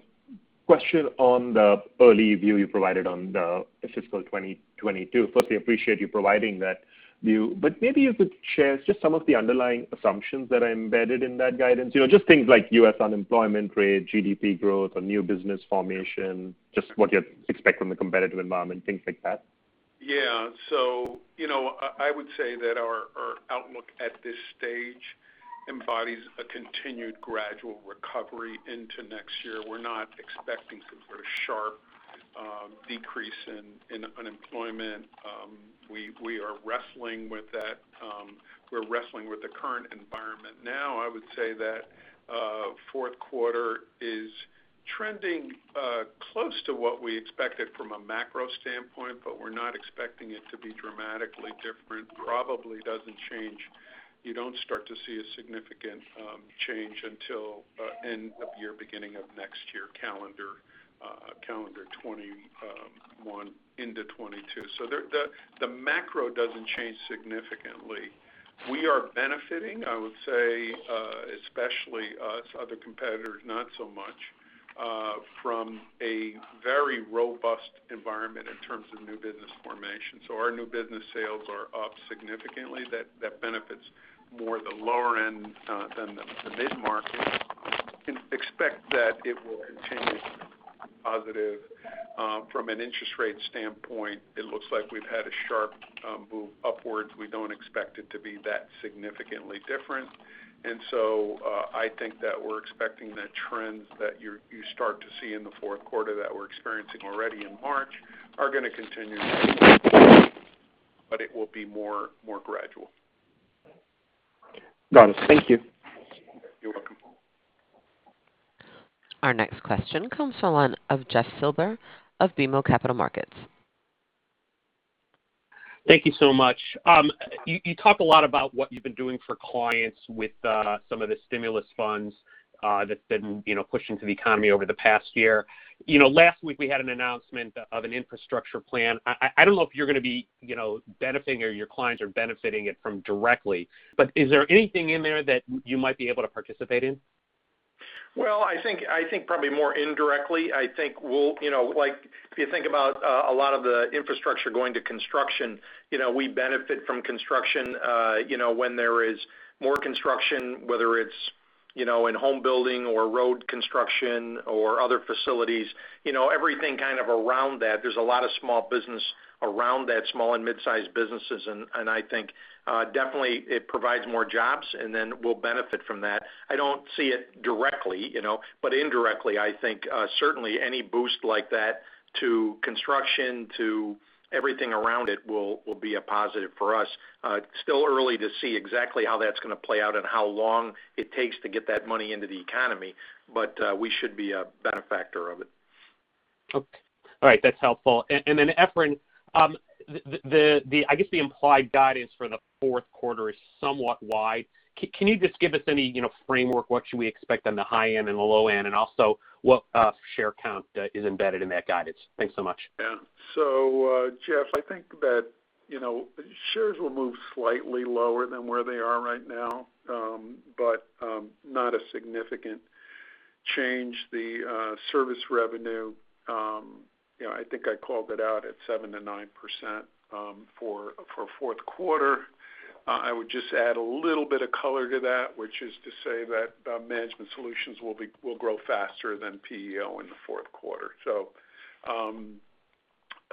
question on the early view you provided on the fiscal 2022. Firstly, appreciate you providing that view, but maybe if you could share just some of the underlying assumptions that are embedded in that guidance. You know, just things like U.S. unemployment rate, GDP growth, or new business formation, just what you expect from the competitive environment, things like that. You know, I would say that our outlook at this stage embodies a continued gradual recovery into next year. We're not expecting some sort of sharp decrease in unemployment. We are wrestling with that. We're wrestling with the current environment. I would say that fourth quarter is trending close to what we expected from a macro standpoint, but we're not expecting it to be dramatically different. Probably doesn't change. You don't start to see a significant change until end of year, beginning of next year calendar 2021 into 2022. The macro doesn't change significantly. We are benefiting, I would say, especially us, other competitors not so much, from a very robust environment in terms of new business formation. Our new business sales are up significantly that benefits more the lower end than the mid-market. We can expect that it will continue to be positive. From an interest rate standpoint, it looks like we've had a sharp move upwards. We don't expect it to be that significantly different. I think that we're expecting the trends that you start to see in the fourth quarter that we're experiencing already in March are gonna continue but it will be more gradual. Got it. Thank you. You're welcome. Our next question comes from the line of Jeff Silber of BMO Capital Markets. Thank you so much. You talk a lot about what you've been doing for clients with some of the stimulus funds that's been, you know, pushed into the economy over the past year. You know, last week we had an announcement of an infrastructure plan. I don't know if you're going to be, you know, benefiting or your clients are benefiting it from directly, but is there anything in there that you might be able to participate in? Well, I think probably more indirectly. I think we'll, you know, like if you think about a lot of the infrastructure going to construction, you know, we benefit from construction. You know, when there is more construction, whether it's, you know, in home building or road construction or other facilities, you know, everything kind of around that. There's a lot of small business around that small and mid-sized businesses. I think, definitely it provides more jobs, and then we'll benefit from that. I don't see it directly, you know, but indirectly, I think, certainly any boost like that to construction, to everything around it will be a positive for us. Still early to see exactly how that's gonna play out and how long it takes to get that money into the economy, but we should be a benefactor of it. Okay. All right. That's helpful. Then Efrain, I guess the implied guidance for the fourth quarter is somewhat wide. Can you just give us any, you know, framework, what should we expect on the high end and the low end, and also what share count is embedded in that guidance? Thanks so much. Yeah. Jeff, I think that, you know, shares will move slightly lower than where they are right now, but not a significant change. The service revenue, you know, I think I called it out at 7%-9% for fourth quarter. I would just add a little bit of color to that, which is to say that management solutions will grow faster than PEO in the fourth quarter.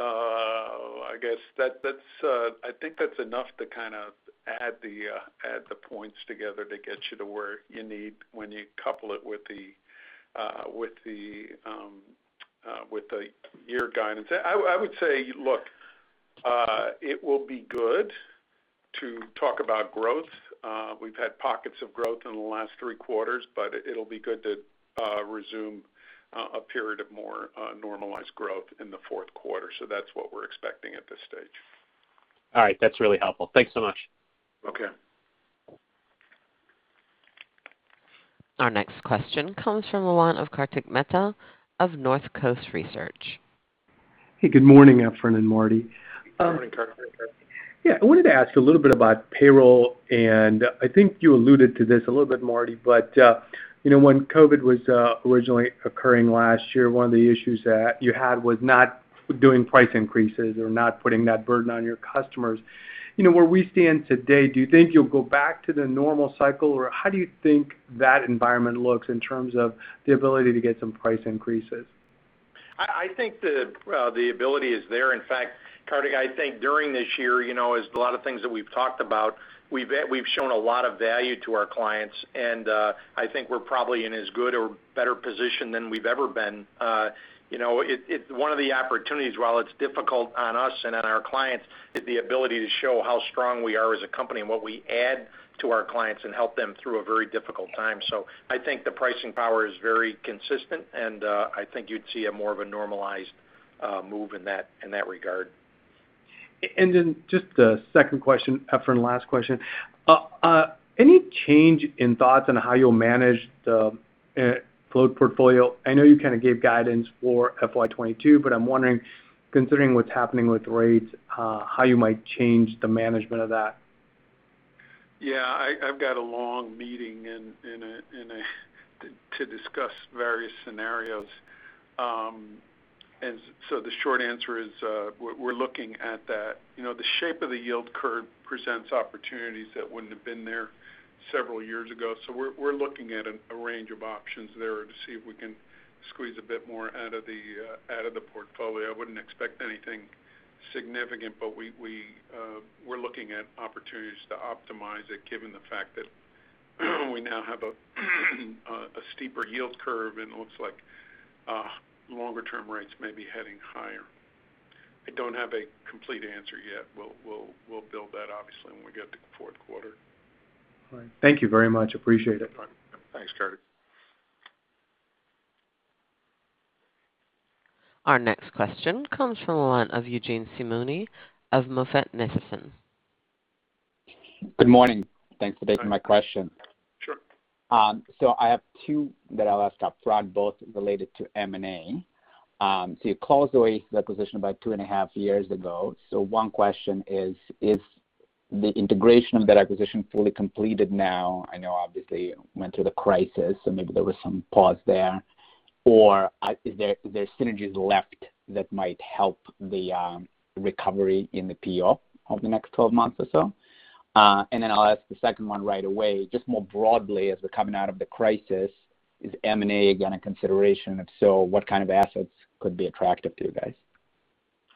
I guess that's, I think that's enough to kind of add the add the points together to get you to where you need when you couple it with the with the with the year guidance. I would say, look, it will be good to talk about growth. We've had pockets of growth in the last three quarters, but it'll be good to resume a period of more normalized growth in the fourth quarter. That's what we're expecting at this stage. All right. That's really helpful. Thanks so much. Okay. Our next question comes from the line of Kartik Mehta of Northcoast Research. Hey, good morning, Efrain and. Good morning, Kartik. Yeah, I wanted to ask a little bit about payroll, and I think you alluded to this a little bit, Martin. You know, when COVID-19 was originally occurring last year, one of the issues that you had was not doing price increases or not putting that burden on your customers. You know, where we stand today, do you think you'll go back to the normal cycle, or how do you think that environment looks in terms of the ability to get some price increases? I think the ability is there. In fact, Kartik, I think during this year, you know, as a lot of things that we've talked about, we've shown a lot of value to our clients, and I think we're probably in as good or better position than we've ever been. You know, one of the opportunities, while it's difficult on us and on our clients, is the ability to show how strong we are as a company and what we add to our clients and help them through a very difficult time. I think the pricing power is very consistent, and I think you'd see more of a normalized move in that, in that regard. Just a second question, Efrain, last question. Any change in thoughts on how you'll manage the float portfolio? I know you kind of gave guidance for FY 2022, but I'm wondering, considering what's happening with rates, how you might change the management of that? Yeah. I've got a long meeting in a to discuss various scenarios. The short answer is, we're looking at that. You know, the shape of the yield curve presents opportunities that wouldn't have been there several years ago. We're looking at a range of options there to see if we can squeeze a bit more out of the portfolio. I wouldn't expect anything significant, but we're looking at opportunities to optimize it given the fact that we now have a steeper yield curve, and it looks like longer term rates may be heading higher. I don't have a complete answer yet. We'll build that obviously when we get to fourth quarter. All right. Thank you very much. Appreciate it. Thanks, Kartik. Our next question comes from the line of Eugene Simuni of MoffettNathanson. Good morning. Thanks for taking my question. Sure. I have two that I'll ask up front, both related to M&A. You closed the Oasis acquisition about 2.5 years ago. One question is the integration of that acquisition fully completed now? I know obviously you went through the crisis, so maybe there was some pause there. Or is there synergies left that might help the recovery in the PEO over the next 12 months or so? I'll ask the second one right away. Just more broadly as we're coming out of the crisis, is M&A again a consideration? If so, what kind of assets could be attractive to you guys?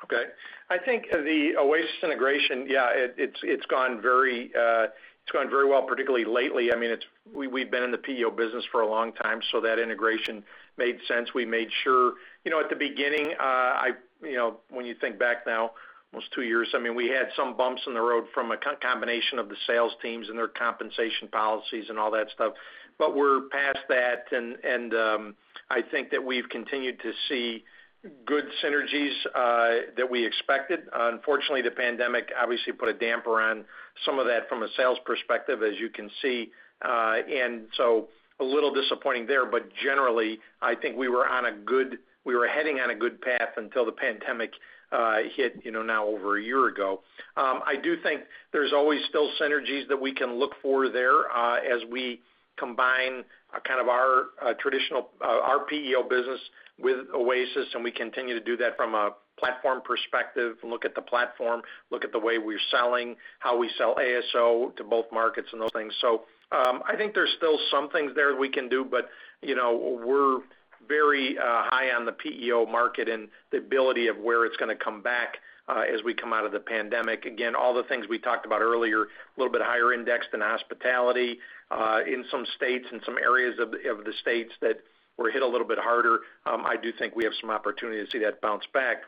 Okay. I think the Oasis integration, yeah, it's gone very well, particularly lately. I mean, we've been in the PEO business for a long time, so that integration made sense. We made sure You know, at the beginning, I, you know, when you think back now almost two years, I mean, we had some bumps in the road from a combination of the sales teams and their compensation policies and all that stuff. We're past that and I think that we've continued to see good synergies that we expected. Unfortunately, the pandemic obviously put a damper on some of that from a sales perspective, as you can see. A little disappointing there. Generally, I think we were heading on a good path until the pandemic hit, you know, now over a year ago. I do think there's always still synergies that we can look for there, as we combine kind of our traditional, our PEO business with Oasis, and we continue to do that from a platform perspective, look at the platform, look at the way we're selling, how we sell ASO to both markets and those things. I think there's still some things there we can do, but, you know, we're very high on the PEO market and the ability of where it's gonna come back, as we come out of the pandemic. All the things we talked about earlier, a little bit higher indexed in hospitality, in some states and some areas of the states that were hit a little bit harder. I do think we have some opportunity to see that bounce back.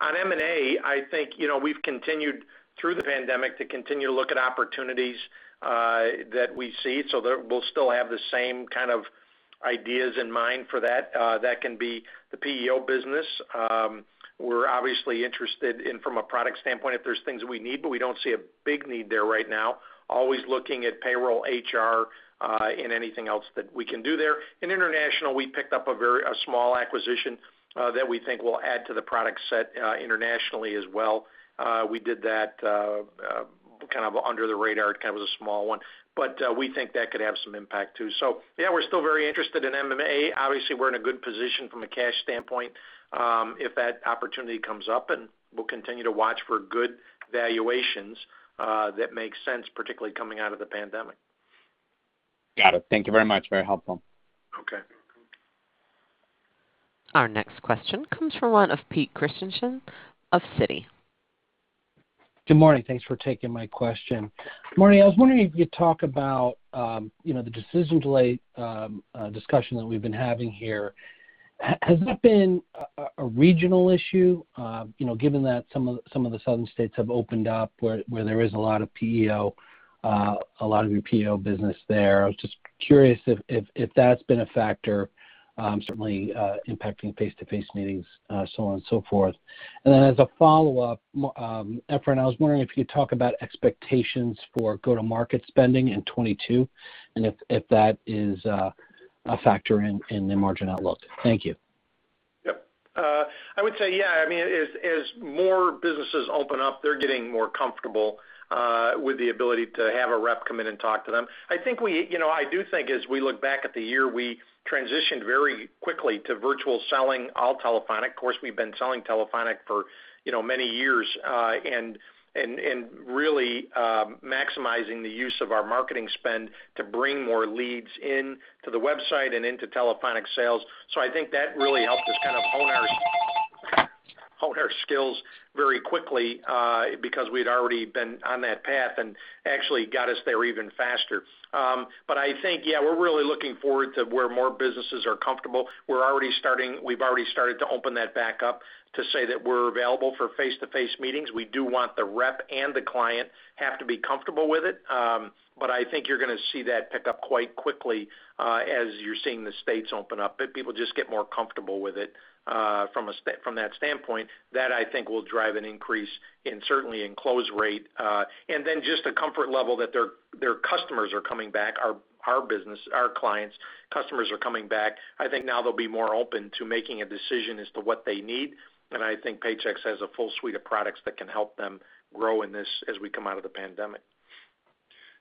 On M&A, I think, you know, we've continued through the pandemic to continue to look at opportunities that we see. There, we'll still have the same kind of ideas in mind for that. That can be the PEO business. We're obviously interested in from a product standpoint, if there's things we need, but we don't see a big need there right now. Always looking at payroll, HR, and anything else that we can do there. In international, we picked up a small acquisition that we think will add to the product set internationally as well. We did that, kind of under the radar. It kind of was a small one, but, we think that could have some impact too. Yeah, we're still very interested in M&A. Obviously, we're in a good position from a cash standpoint, if that opportunity comes up, and we'll continue to watch for good valuations, that make sense, particularly coming out of the pandemic. Got it. Thank you very much. Very helpful. Okay. Our next question comes from the line of Peter Christiansen of Citi. Good morning. Thanks for taking my question. Morning, I was wondering if you'd talk about, you know, the decision delay discussion that we've been having here. Has that been a regional issue? You know, given that some of the Southern states have opened up where there is a lot of PEO business there. I was just curious if that's been a factor, certainly impacting face-to-face meetings, so on and so forth. Then as a follow-up, Efrain, I was wondering if you'd talk about expectations for go-to-market spending in 2022, and if that is a factor in the margin outlook. Thank you. Yep. I would say yeah. I mean, as more businesses open up, they're getting more comfortable with the ability to have a rep come in and talk to them. I think, you know, I do think as we look back at the year, we transitioned very quickly to virtual selling, all telephonic. Of course, we've been selling telephonic for, you know, many years, and really maximizing the use of our marketing spend to bring more leads in to the website and into telephonic sales. I think that really helped us kind of hone our skills very quickly because we'd already been on that path and actually got us there even faster. I think, yeah, we're really looking forward to where more businesses are comfortable. We've already started to open that back up to say that we're available for face-to-face meetings. We do want the rep and the client have to be comfortable with it. I think you're gonna see that pick up quite quickly, as you're seeing the states open up, but people just get more comfortable with it, from that standpoint. That I think will drive an increase in certainly in close rate. Then just the comfort level that their customers are coming back. Our business, our clients, customers are coming back. I think now they'll be more open to making a decision as to what they need, and I think Paychex has a full suite of products that can help them grow in this as we come out of the pandemic.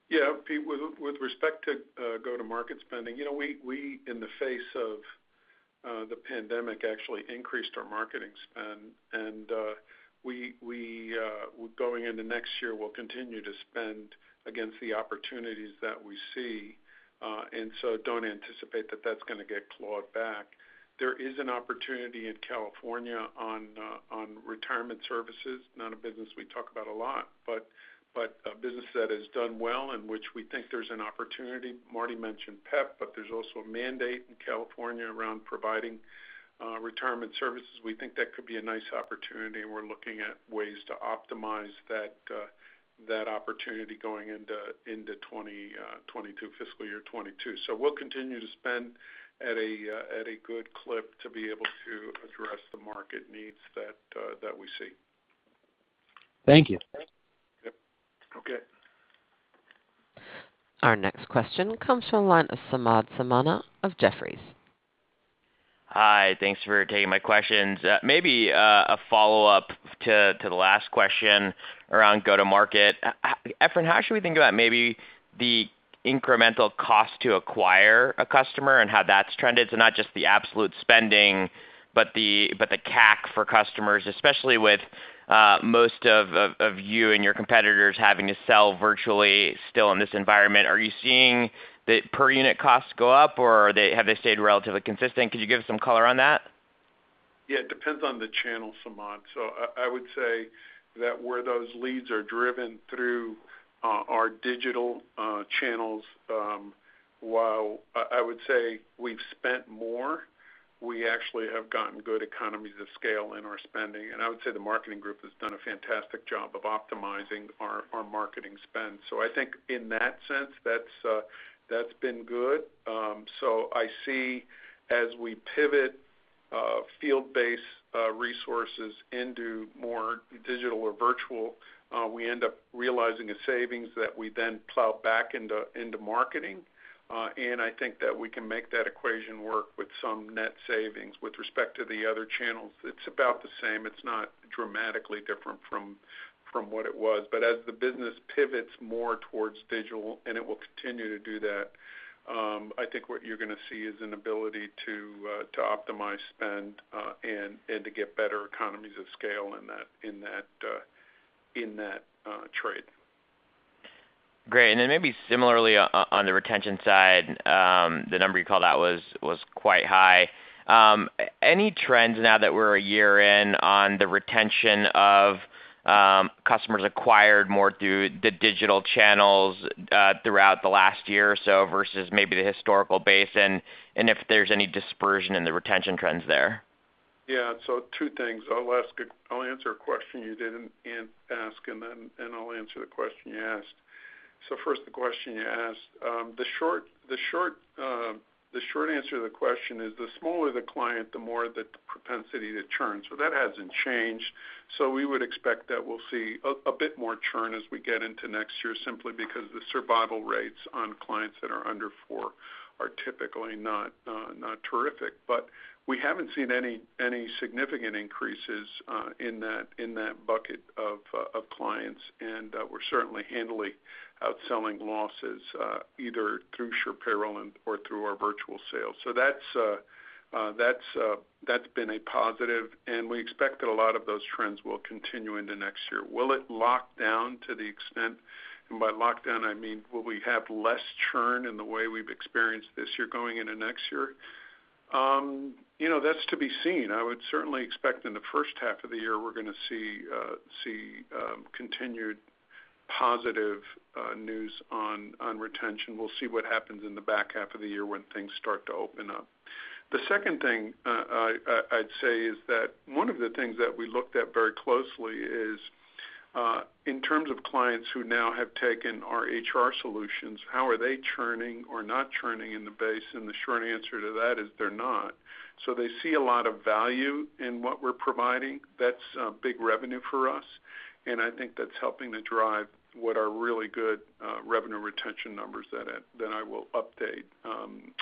Yeah, Pete, with respect to go-to-market spending, you know, we in the face of the pandemic actually increased our marketing spend. We going into next year will continue to spend against the opportunities that we see. Don't anticipate that that's gonna get clawed back. There is an opportunity in California on retirement services. Not a business we talk about a lot, but a business that has done well, in which we think there's an opportunity. Martin mentioned PEP, but there's also a mandate in California around providing retirement services. We think that could be a nice opportunity, we're looking at ways to optimize that opportunity going into fiscal year 2022. We'll continue to spend at a good clip to be able to address the market needs that we see. Thank you. Yep. Okay. Our next question comes from the line of Samad Samana of Jefferies. Hi. Thanks for taking my questions. Maybe a follow-up to the last question around go-to-market. Efrain, how should we think about maybe the incremental cost to acquire a customer and how that's trended? Not just the absolute spending, but the CAC for customers, especially with most of you and your competitors having to sell virtually still in this environment. Are you seeing the per unit costs go up, or have they stayed relatively consistent? Could you give some color on that? Yeah, it depends on the channel, Samad. I would say that where those leads are driven through our digital channels, while I would say we've spent more, we actually have gotten good economies of scale in our spending. I would say the marketing group has done a fantastic job of optimizing our marketing spend. I think in that sense, that's been good. I see as we pivot field-based resources into more digital or virtual, we end up realizing a savings that we then plow back into marketing. I think that we can make that equation work with some net savings. With respect to the other channels, it's about the same. It's not dramatically different from what it was. As the business pivots more towards digital, and it will continue to do that, I think what you're gonna see is an ability to optimize spend, and to get better economies of scale in that trade. Great. Maybe similarly on the retention side, the number you called out was quite high. Any trends now that we're a year in on the retention of customers acquired more through the digital channels throughout the last year or so versus maybe the historical base? If there's any dispersion in the retention trends there. Yeah. Two things. I'll answer a question you didn't ask, then I'll answer the question you asked. First, the question you asked. The short answer to the question is the smaller the client, the more the propensity to churn. That hasn't changed. We would expect that we'll see a bit more churn as we get into next year, simply because the survival rates on clients that are under four are typically not terrific. We haven't seen any significant increases in that bucket of clients. We're certainly handling out selling losses either through SurePayroll and/or through our virtual sales. That's been a positive, we expect that a lot of those trends will continue into next year. Will it lock down to the extent? By lock down, I mean, will we have less churn in the way we've experienced this year going into next year? You know, that's to be seen. I would certainly expect in the first half of the year we're gonna see continued positive news on retention. We'll see what happens in the back half of the year when things start to open up. The second thing I'd say is that one of the things that we looked at very closely is in terms of clients who now have taken our HR solutions, how are they churning or not churning in the base? The short answer to that is they're not. They see a lot of value in what we're providing. That's big revenue for us, and I think that's helping to drive what are really good revenue retention numbers that I will update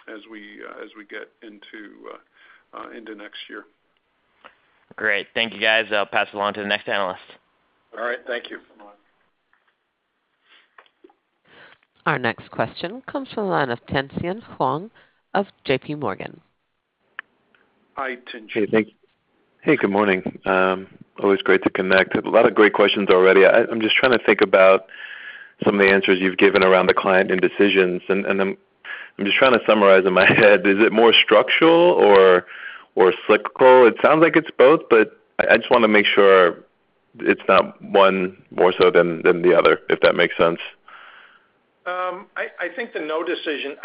as we get into next year. Great. Thank you, guys. I'll pass it along to the next analyst. All right. Thank you. Our next question comes from the line of Tien-Tsin Huang of JPMorgan. Hi, Tien-Tsin Huang. Hey, thank you. Hey, good morning. Always great to connect. A lot of great questions already. I'm just trying to think about some of the answers you've given around the client indecisions, and I'm just trying to summarize in my head. Is it more structural or cyclical? It sounds like it's both, but I just wanna make sure it's not one more so than the other, if that makes sense. I think the no decision,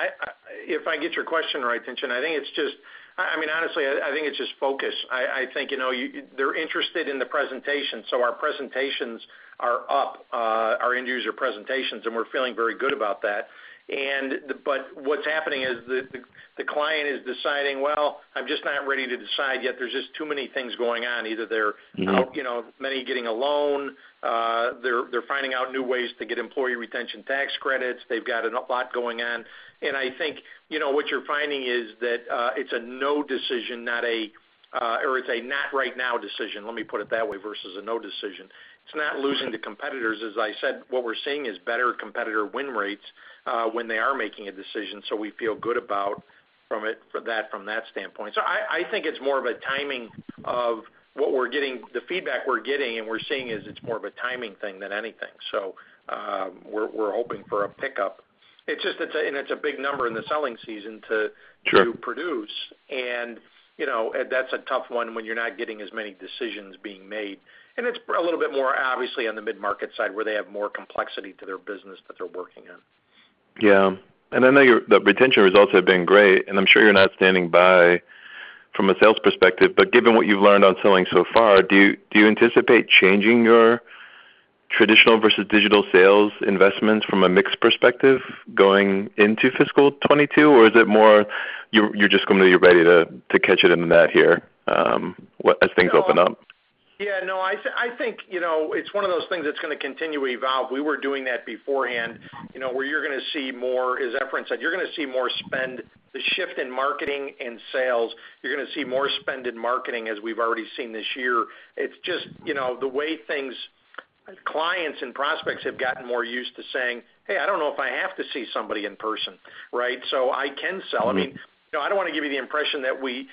if I get your question right, Tien-Tsin, I think it's just I mean, honestly, I think it's just focus. I think, you know, they're interested in the presentation, so our presentations are up, our end user presentations, and we're feeling very good about that. What's happening is the client is deciding, "Well, I'm just not ready to decide yet. There's just too many things going on." Either they're, you know, many getting a loan, they're finding out new ways to get employee retention tax credits. They've got a lot going on. I think, you know, what you're finding is that it's a no decision, not a or it's a not right now decision, let me put it that way, versus a no decision. It's not losing to competitors. As I said, what we're seeing is better competitor win rates when they are making a decision, so we feel good about it, from that standpoint. I think it's more of a timing of what we're getting. The feedback we're getting and we're seeing is it's more of a timing thing than anything. We're hoping for a pickup. It's just a big number in the selling season. Sure to produce. You know, that's a tough one when you're not getting as many decisions being made. It's a little bit more obviously on the mid-market side where they have more complexity to their business that they're working in. Yeah. I know your, the retention results have been great, and I'm sure you're not standing by from a sales perspective. Given what you've learned on selling so far, do you anticipate changing your traditional versus digital sales investments from a mix perspective going into fiscal 2022? Or is it more you're just gonna be ready to catch it in the net here as things open up? Yeah, no, I think, you know, it's one of those things that's gonna continue to evolve. We were doing that beforehand. You know, where you're gonna see more, as Efrain said, you're gonna see more spend, the shift in marketing and sales. You're gonna see more spend in marketing, as we've already seen this year. It's just, you know, the way things clients and prospects have gotten more used to saying, "Hey, I don't know if I have to see somebody in person," right? "So I can sell." I mean, you know, I don't wanna give you the impression that we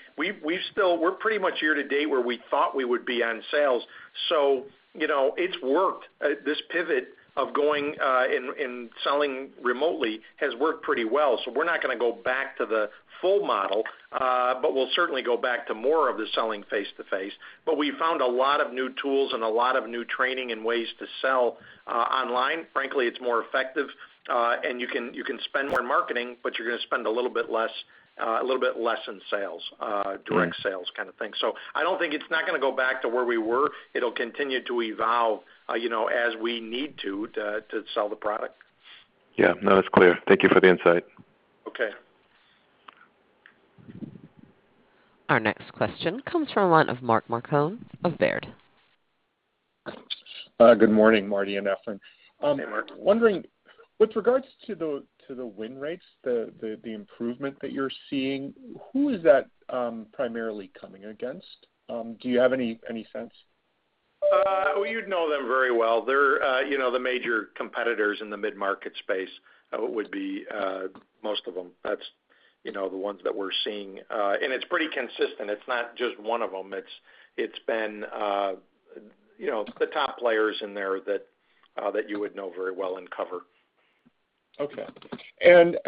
still, we're pretty much year to date where we thought we would be on sales, so you know, it's worked. This pivot of going and selling remotely has worked pretty well, so we're not gonna go back to the full model. We'll certainly go back to more of the selling face-to-face. We found a lot of new tools and a lot of new training and ways to sell online. Frankly, it's more effective, and you can spend more in marketing, but you're gonna spend a little bit less, a little bit less in sales. Direct sales kind of thing. I don't think It's not gonna go back to where we were. It'll continue to evolve, you know, as we need to sell the product. Yeah, no, that's clear. Thank you for the insight. Okay. Our next question comes from one of Mark Marcon of Baird. Good morning, Martin and Efrain. Hey, Mark. Wondering, with regards to the win rates, the improvement that you're seeing, who is that, primarily coming against? Do you have any sense? Well, you'd know them very well. They're, you know, the major competitors in the mid-market space, would be most of them. That's, you know, the ones that we're seeing. It's pretty consistent. It's not just one of them. It's been, you know, the top players in there that you would know very well and cover.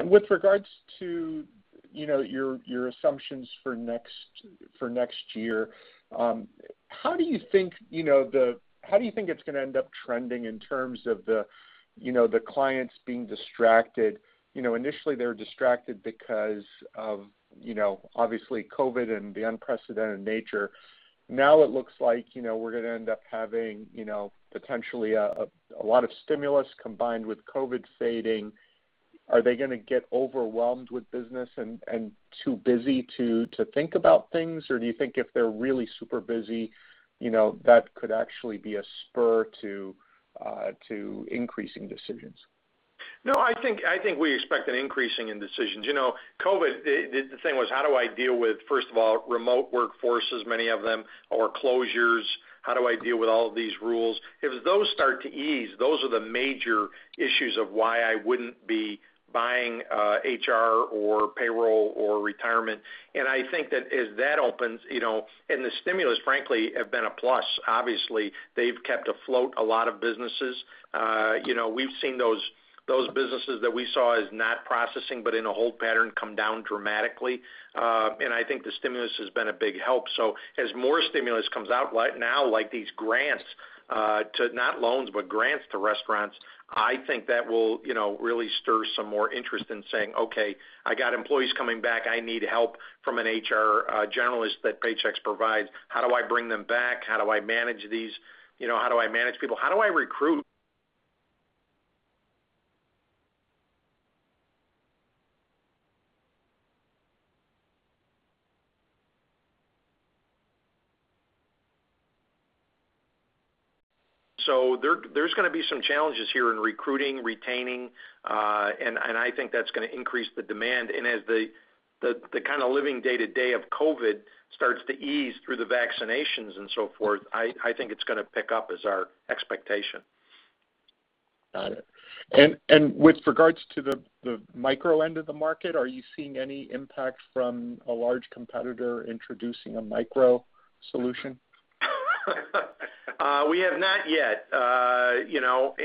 With regards to, you know, your assumptions for next year, How do you think it's gonna end up trending in terms of the, you know, the clients being distracted? You know, initially they were distracted because of, you know, obviously COVID-19 and the unprecedented nature. Now it looks like, you know, we're gonna end up having, you know, potentially a lot of stimulus combined with COVID-19 fading. Are they gonna get overwhelmed with business and too busy to think about things? Or do you think if they're really super busy, you know, that could actually be a spur to increasing decisions? No, I think we expect an increasing in decisions. You know, COVID-19, the thing was how do I deal with, first of all, remote workforces, many of them, or closures? How do I deal with all of these rules? If those start to ease, those are the major issues of why I wouldn't be buying HR or payroll or retirement. I think that as that opens, you know. The stimulus, frankly, have been a plus. Obviously, they've kept afloat a lot of businesses. You know, we've seen those businesses that we saw as not processing, but in a hold pattern, come down dramatically. I think the stimulus has been a big help. As more stimulus comes out, like now, like these grants, Not loans, but grants to restaurants, I think that will, you know, really stir some more interest in saying, "Okay, I got employees coming back. I need help from an HR generalist that Paychex provides. How do I bring them back? How do I manage these? You know, how do I manage people? How do I recruit?" There, there's gonna be some challenges here in recruiting, retaining, and I think that's gonna increase the demand. As the, the kind of living day-to-day of COVID starts to ease through the vaccinations and so forth, I think it's gonna pick up, is our expectation. Got it. With regards to the micro end of the market, are you seeing any impact from a large competitor introducing a micro solution? We have not yet. you know,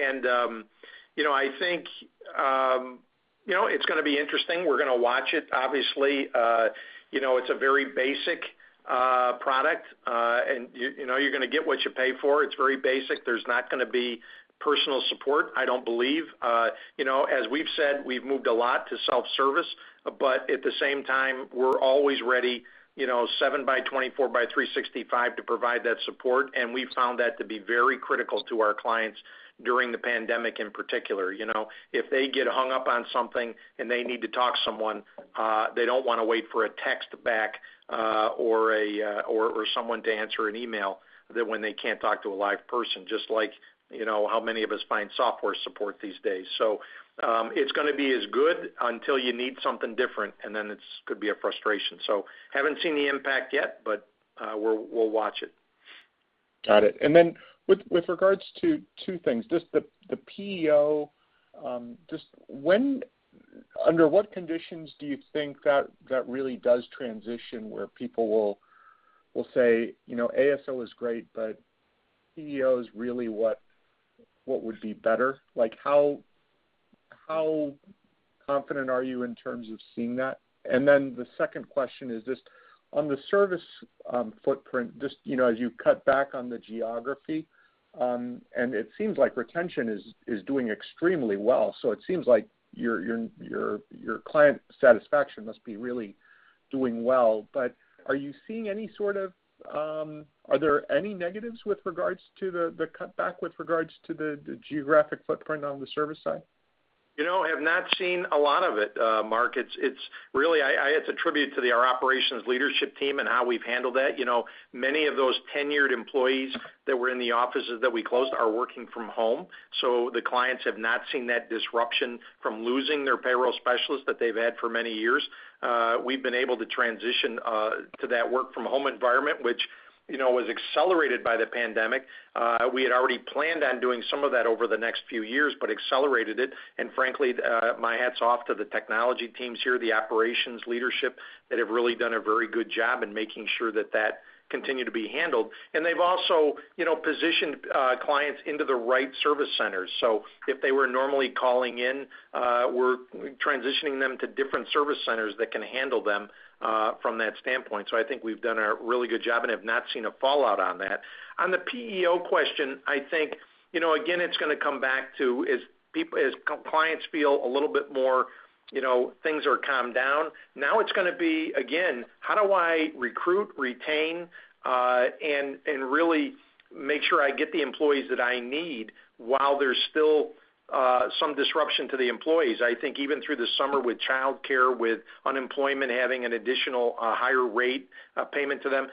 I think, you know, it's going to be interesting. We're going to watch it, obviously. you know, it's a very basic product. you know, you're going to get what you pay for. It's very basic. There's not going to be personal support, I don't believe. you know, as we've said, we've moved a lot to self-service, but at the same time, we're always ready, you know, 7 by 24 by 365 to provide that support, and we've found that to be very critical to our clients during the pandemic in particular, you know. If they get hung up on something and they need to talk to someone, they don't wanna wait for a text back, or someone to answer an email that when they can't talk to a live person, just like, you know, how many of us find software support these days. It's gonna be as good until you need something different, and then it's could be a frustration. Haven't seen the impact yet, but we'll watch it. Got it. With regards to two things, just the PEO, under what conditions do you think that really does transition where people will say, you know, ASO is great, but PEO is really what would be better? Like how confident are you in terms of seeing that? The second question is this: on the service footprint, just, you know, as you cut back on the geography, and it seems like retention is doing extremely well. It seems like your client satisfaction must be really doing well. Are there any negatives with regards to the cut back with regards to the geographic footprint on the service side? You know, have not seen a lot of it, Mark. It's really attributed to our operations leadership team and how we've handled that. You know, many of those tenured employees that were in the offices that we closed are working from home, so the clients have not seen that disruption from losing their payroll specialist that they've had for many years. We've been able to transition to that work from home environment, which, you know, was accelerated by the pandemic. We had already planned on doing some of that over the next few years, but accelerated it. Frankly, my hats off to the technology teams here, the operations leadership, that have really done a very good job in making sure that that continued to be handled. They've also, you know, positioned clients into the right service centers. If they were normally calling in, we're transitioning them to different service centers that can handle them, from that standpoint. I think we've done a really good job, and have not seen a fallout on that. On the PEO question, I think, you know, again, it's gonna come back to is as compliance feel a little bit more, you know, things are calmed down. Now it's gonna be, again, how do I recruit, retain, and really make sure I get the employees that I need while there's still, some disruption to the employees? I think even through the summer with childcare, with unemployment having an additional, higher rate, payment to them.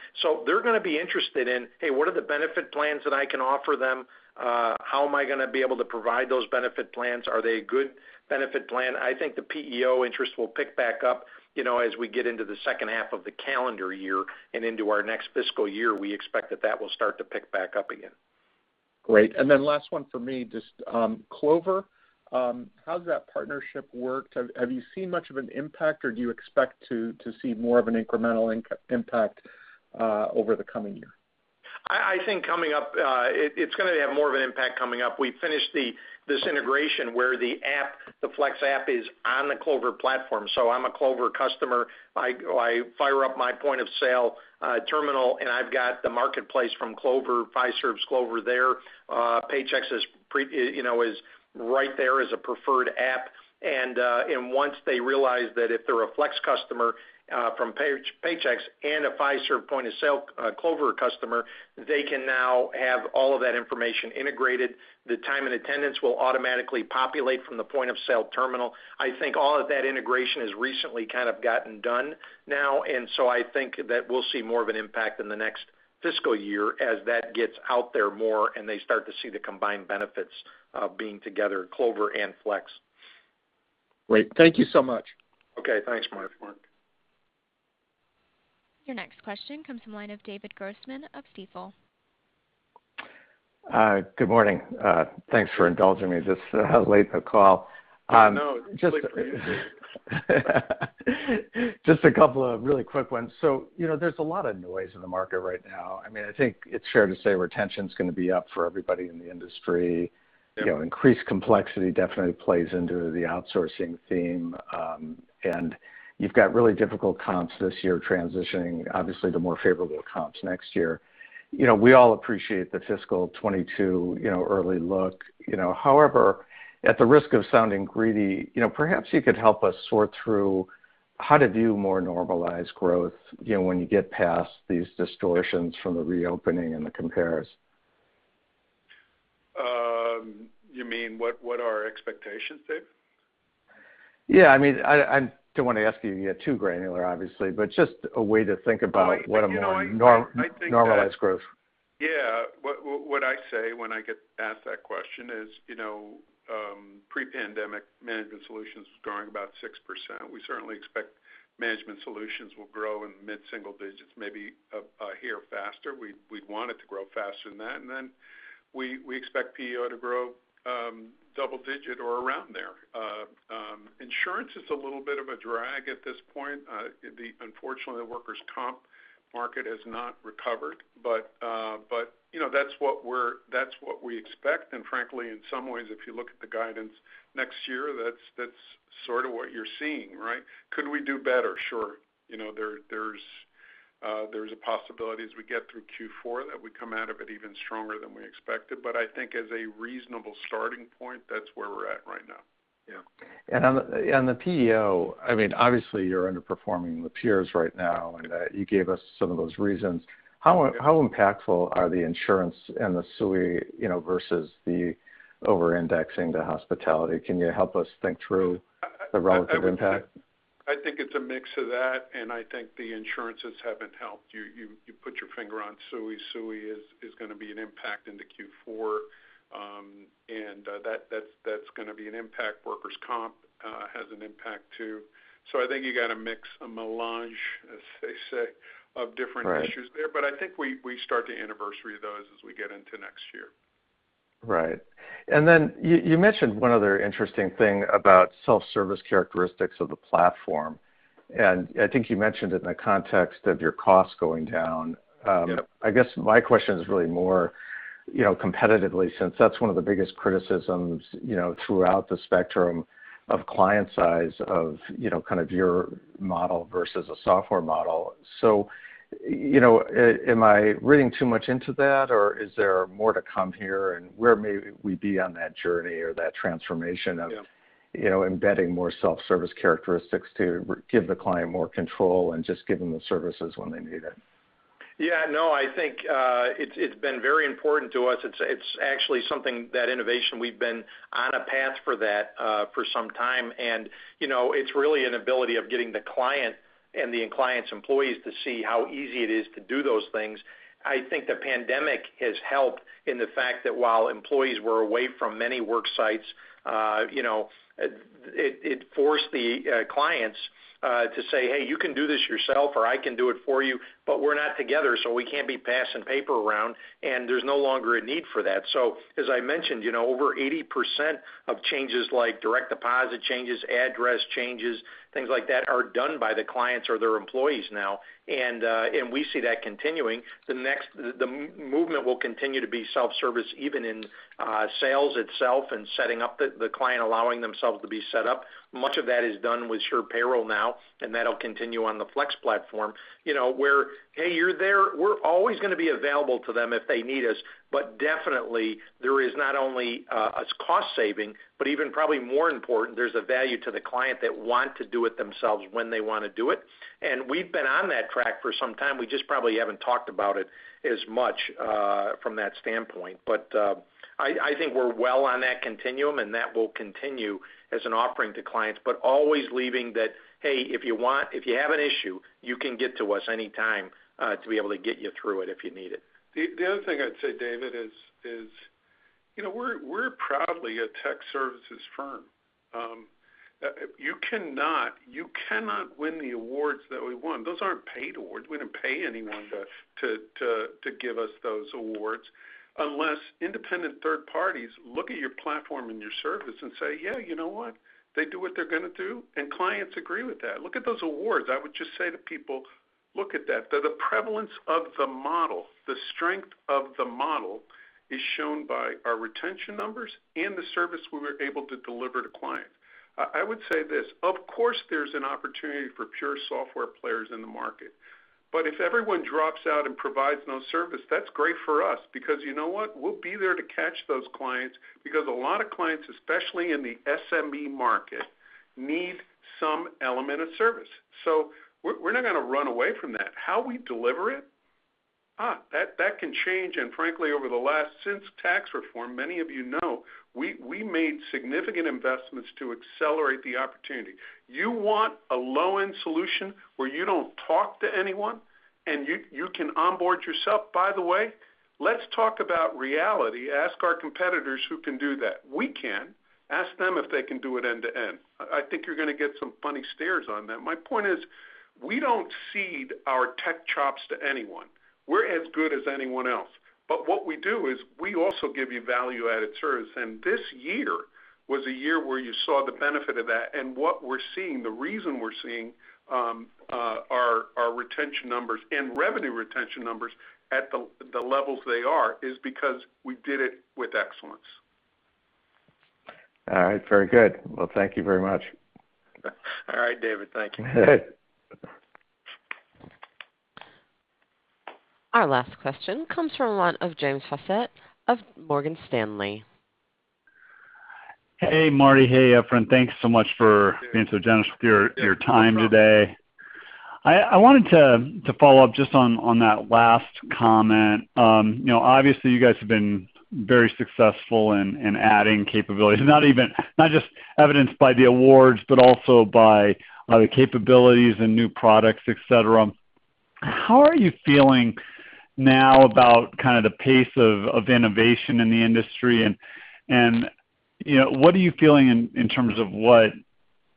They're gonna be interested in, hey, what are the benefit plans that I can offer them? How am I gonna be able to provide those benefit plans? Are they a good benefit plan? I think the PEO interest will pick back up, you know, as we get into the second half of the calendar year and into our next fiscal year. We expect that will start to pick back up again. Great. Then last one for me, just Clover, how's that partnership worked? Have you seen much of an impact, or do you expect to see more of an incremental impact over the coming year? I think coming up, it's gonna have more of an impact coming up. We finished this integration where the Flex app is on the Clover platform. I'm a Clover customer. I go, I fire up my point of sale terminal, and I've got the marketplace from Clover, Fiserv's Clover there. Paychex is, you know, is right there as a preferred app. Once they realize that if they're a Flex customer from Paychex and a Fiserv point of sale Clover customer, they can now have all of that information integrated. The time and attendance will automatically populate from the point of sale terminal. I think all of that integration has recently kind of gotten done now, and so I think that we'll see more of an impact in the next fiscal year as that gets out there more and they start to see the combined benefits of being together, Clover and Flex. Great. Thank you so much. Okay. Thanks, Mark. Your next question comes from the line of David Grossman of Stifel. Good morning. Thanks for indulging me this late in the call. No, it's like crazy. Just a couple of really quick ones. You know, there's a lot of noise in the market right now. I mean, I think it's fair to say retention's gonna be up for everybody in the industry. Yeah. You know, increased complexity definitely plays into the outsourcing theme. You've got really difficult comps this year transitioning, obviously, the more favorable comps next year. You know, we all appreciate the fiscal 2022, you know, early look. You know, however, at the risk of sounding greedy, you know, perhaps you could help us sort through how to view more normalized growth, you know, when you get past these distortions from the reopening and the compares. You mean what are our expectations, Dave? Yeah. I mean, I don't wanna ask you to get too granular, obviously, but just a way to think about what a more normalized growth. You know, I think that Yeah. What I say when I get asked that question is, you know, pre-pandemic, Management Solutions was growing about 6%. We certainly expect Management Solutions will grow in mid-single digits, maybe a hair faster. We'd want it to grow faster than that. We expect PEO to grow double digit or around there. Insurance is a little bit of a drag at this point. Unfortunately, the workers' comp market has not recovered. You know, that's what we expect. Frankly, in some ways, if you look at the guidance next year, that's sort of what you're seeing, right? Could we do better? Sure. You know, there's a possibility as we get through Q4 that we come out of it even stronger than we expected. I think as a reasonable starting point, that's where we're at right now. Yeah. On the PEO, I mean, obviously you're underperforming the peers right now, you gave us some of those reasons. How impactful are the insurance and the SUI, you know, versus the over-indexing the hospitality? Can you help us think through the relative impact? I would say I think it's a mix of that, and I think the insurances haven't helped. You put your finger on SUI. SUI is gonna be an impact into Q4. That's gonna be an impact. Workers' comp has an impact too. I think you got a mix, a melange, as they say, of different. Right. Issues there. I think we start to anniversary those as we get into next year. Right. Then you mentioned one other interesting thing about self-service characteristics of the platform, and I think you mentioned it in the context of your costs going down. Yeah. I guess my question is really more, you know, competitively since that's one of the biggest criticisms, you know, throughout the spectrum of client size of, you know, kind of your model versus a software model. You know, am I reading too much into that, or is there more to come here, and where may we be on that journey? Yeah you know, embedding more self-service characteristics to give the client more control and just give them the services when they need it? Yeah, no, I think it's been very important to us. It's actually something, that innovation, we've been on a path for that for some time. You know, it's really an ability of getting the client and the client's employees to see how easy it is to do those things. I think the pandemic has helped in the fact that while employees were away from many work sites, you know, it forced the clients to say, "Hey, you can do this yourself, or I can do it for you, but we're not together, so we can't be passing paper around," and there's no longer a need for that. As I mentioned, you know, over 80% of changes like direct deposit changes, address changes, things like that, are done by the clients or their employees now, and we see that continuing. The next movement will continue to be self-service, even in sales itself and setting up the client allowing themselves to be set up. Much of that is done with SurePayroll now, that'll continue on the Flex platform. You know, we're, "Hey, you're there." We're always gonna be available to them if they need us, definitely there is not only a cost saving, but even probably more important, there's a value to the client that want to do it themselves when they wanna do it. We've been on that track for some time. We just probably haven't talked about it as much from that standpoint. I think we're well on that continuum, and that will continue as an offering to clients. Always leaving that, "Hey, if you have an issue, you can get to us anytime, to be able to get you through it if you need it. The other thing I'd say, David, is, you know, we're proudly a tech services firm. You cannot win the awards that we won. Those aren't paid awards. We didn't pay anyone to give us those awards, unless independent third parties look at your platform and your service and say, "Yeah, you know what? They do what they're gonna do," and clients agree with that. Look at those awards. I would just say to people, look at that. The prevalence of the model, the strength of the model is shown by our retention numbers and the service we were able to deliver to clients. I would say this, of course, there's an opportunity for pure software players in the market. If everyone drops out and provides no service, that's great for us because you know what? We'll be there to catch those clients because a lot of clients, especially in the SME market, need some element of service. We're not gonna run away from that. How we deliver it, that can change. Frankly, over the last Since tax reform, many of you know, we made significant investments to accelerate the opportunity. You want a low-end solution where you don't talk to anyone, and you can onboard yourself? By the way, let's talk about reality. Ask our competitors who can do that. We can. Ask them if they can do it end to end. I think you're gonna get some funny stares on that. My point is, we don't cede our tech chops to anyone. We're as good as anyone else. What we do is we also give you value-added service, and this year was a year where you saw the benefit of that. What we're seeing, the reason we're seeing, our retention numbers and revenue retention numbers at the levels they are is because we did it with excellence. All right. Very good. Well, thank you very much. All right, David. Thank you. Our last question comes from one of James Faucette of Morgan Stanley. Hey, Martin. Hey, Efrain. Thanks so much. Yeah. Being so generous with your time today. Yeah, no problem. I wanted to follow up just on that last comment. You know, obviously, you guys have been very successful in adding capabilities, not just evidenced by the awards, but also by the capabilities and new products, et cetera. How are you feeling now about kind of the pace of innovation in the industry, and, you know, what are you feeling in terms of what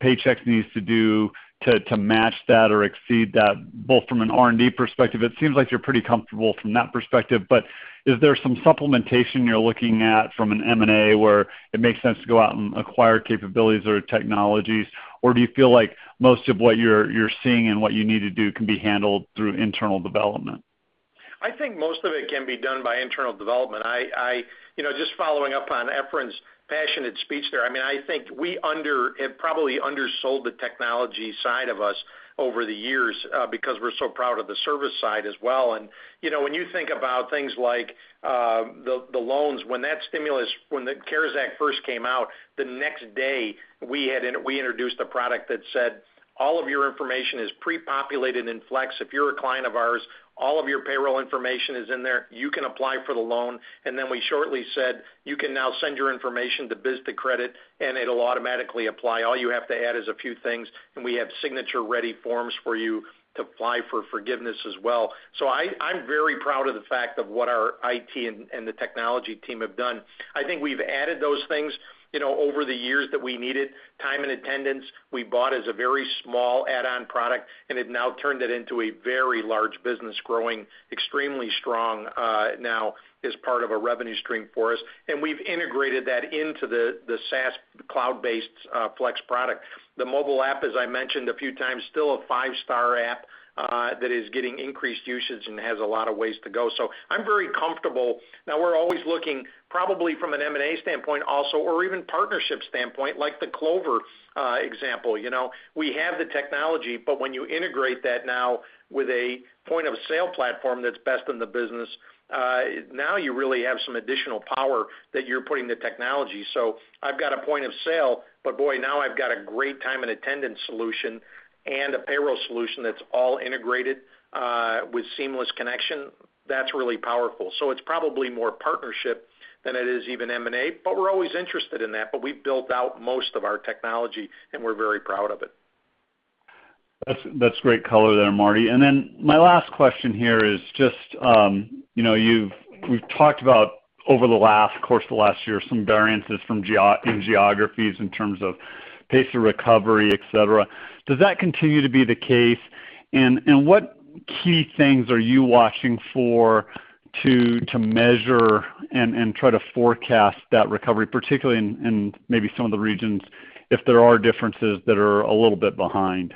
Paychex needs to do to match that or exceed that, both from an R&D perspective? It seems like you're pretty comfortable from that perspective. Is there some supplementation you're looking at from an M&A where it makes sense to go out and acquire capabilities or technologies, or do you feel like most of what you're seeing and what you need to do can be handled through internal development? I think most of it can be done by internal development. You know, just following up on Efrain's passionate speech there, I mean, I think we have probably undersold the technology side of us over the years, because we're so proud of the service side as well. You know, when you think about things like, the loans, when that stimulus, when the CARES Act first came out, the next day we introduced a product that said, "All of your information is pre-populated in Flex. If you're a client of ours, all of your payroll information is in there. You can apply for the loan." Then we shortly said, "You can now send your information to Biz2Credit, and it'll automatically apply. All you have to add is a few things, and we have signature-ready forms for you to apply for forgiveness as well. I'm very proud of the fact of what our IT and the technology team have done. I think we've added those things, you know, over the years that we needed. Time and attendance, we bought as a very small add-on product and have now turned it into a very large business growing extremely strong, now as part of a revenue stream for us. We've integrated that into the SaaS cloud-based Flex product. The mobile app, as I mentioned a few times, still a five-star app that is getting increased usage and has a lot of ways to go. I'm very comfortable. We're always looking probably from an M&A standpoint also, or even partnership standpoint, like the Clover example. You know, we have the technology, when you integrate that now with a point-of-sale platform that's best in the business, now you really have some additional power that you're putting to technology. I've got a point-of-sale, boy, now I've got a great time and attendance solution and a payroll solution that's all integrated with seamless connection. That's really powerful. It's probably more partnership than it is even M&A, we're always interested in that. We've built out most of our technology, and we're very proud of it. That's great color there, Martin. My last question here is just, you know, we've talked about over the course of the last year, some variances from geographies in terms of pace of recovery, et cetera. Does that continue to be the case? What key things are you watching for to measure and try to forecast that recovery, particularly in maybe some of the regions, if there are differences that are a little bit behind?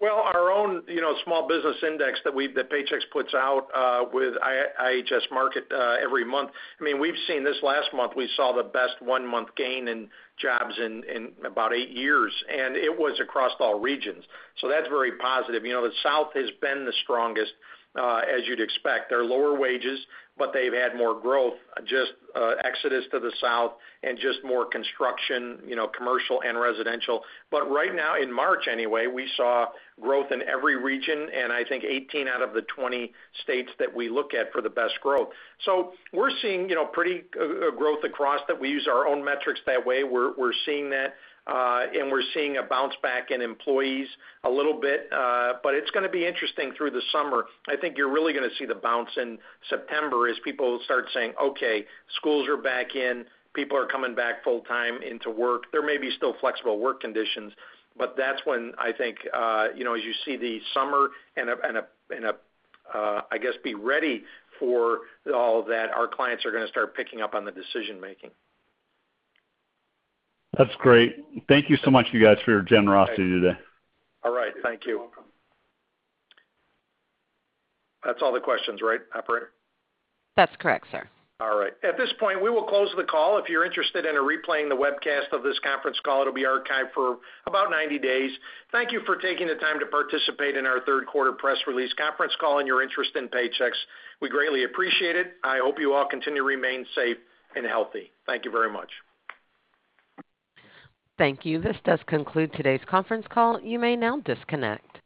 Well, our own, you know, small business index that Paychex puts out with IHS Markit every month, I mean, we've seen this last month, we saw the best one-month gain in jobs in about eight years, and it was across all regions. That's very positive. You know, the South has been the strongest, as you'd expect. There are lower wages, but they've had more growth, just exodus to the South and just more construction, you know, commercial and residential. Right now, in March anyway, we saw growth in every region, and I think 18 out of the 20 states that we look at for the best growth. We're seeing, you know, pretty growth across that. We use our own metrics that way. We're seeing that, we're seeing a bounce back in employees a little bit, it's gonna be interesting through the summer. I think you're really gonna see the bounce in September as people start saying, "Okay, schools are back in. People are coming back full-time into work." There may be still flexible work conditions, that's when I think, you know, as you see the summer and I guess be ready for all that, our clients are gonna start picking up on the decision-making. That's great. Thank you so much, you guys, for your generosity today. All right. Thank you. You're welcome. That's all the questions, right, operator? That's correct, sir. All right. At this point, we will close the call. If you're interested in a replaying the webcast of this conference call, it'll be archived for about 90 days. Thank you for taking the time to participate in our third quarter press release conference call and your interest in Paychex. We greatly appreciate it. I hope you all continue to remain safe and healthy. Thank you very much. Thank you. This does conclude today's conference call. You may now disconnect.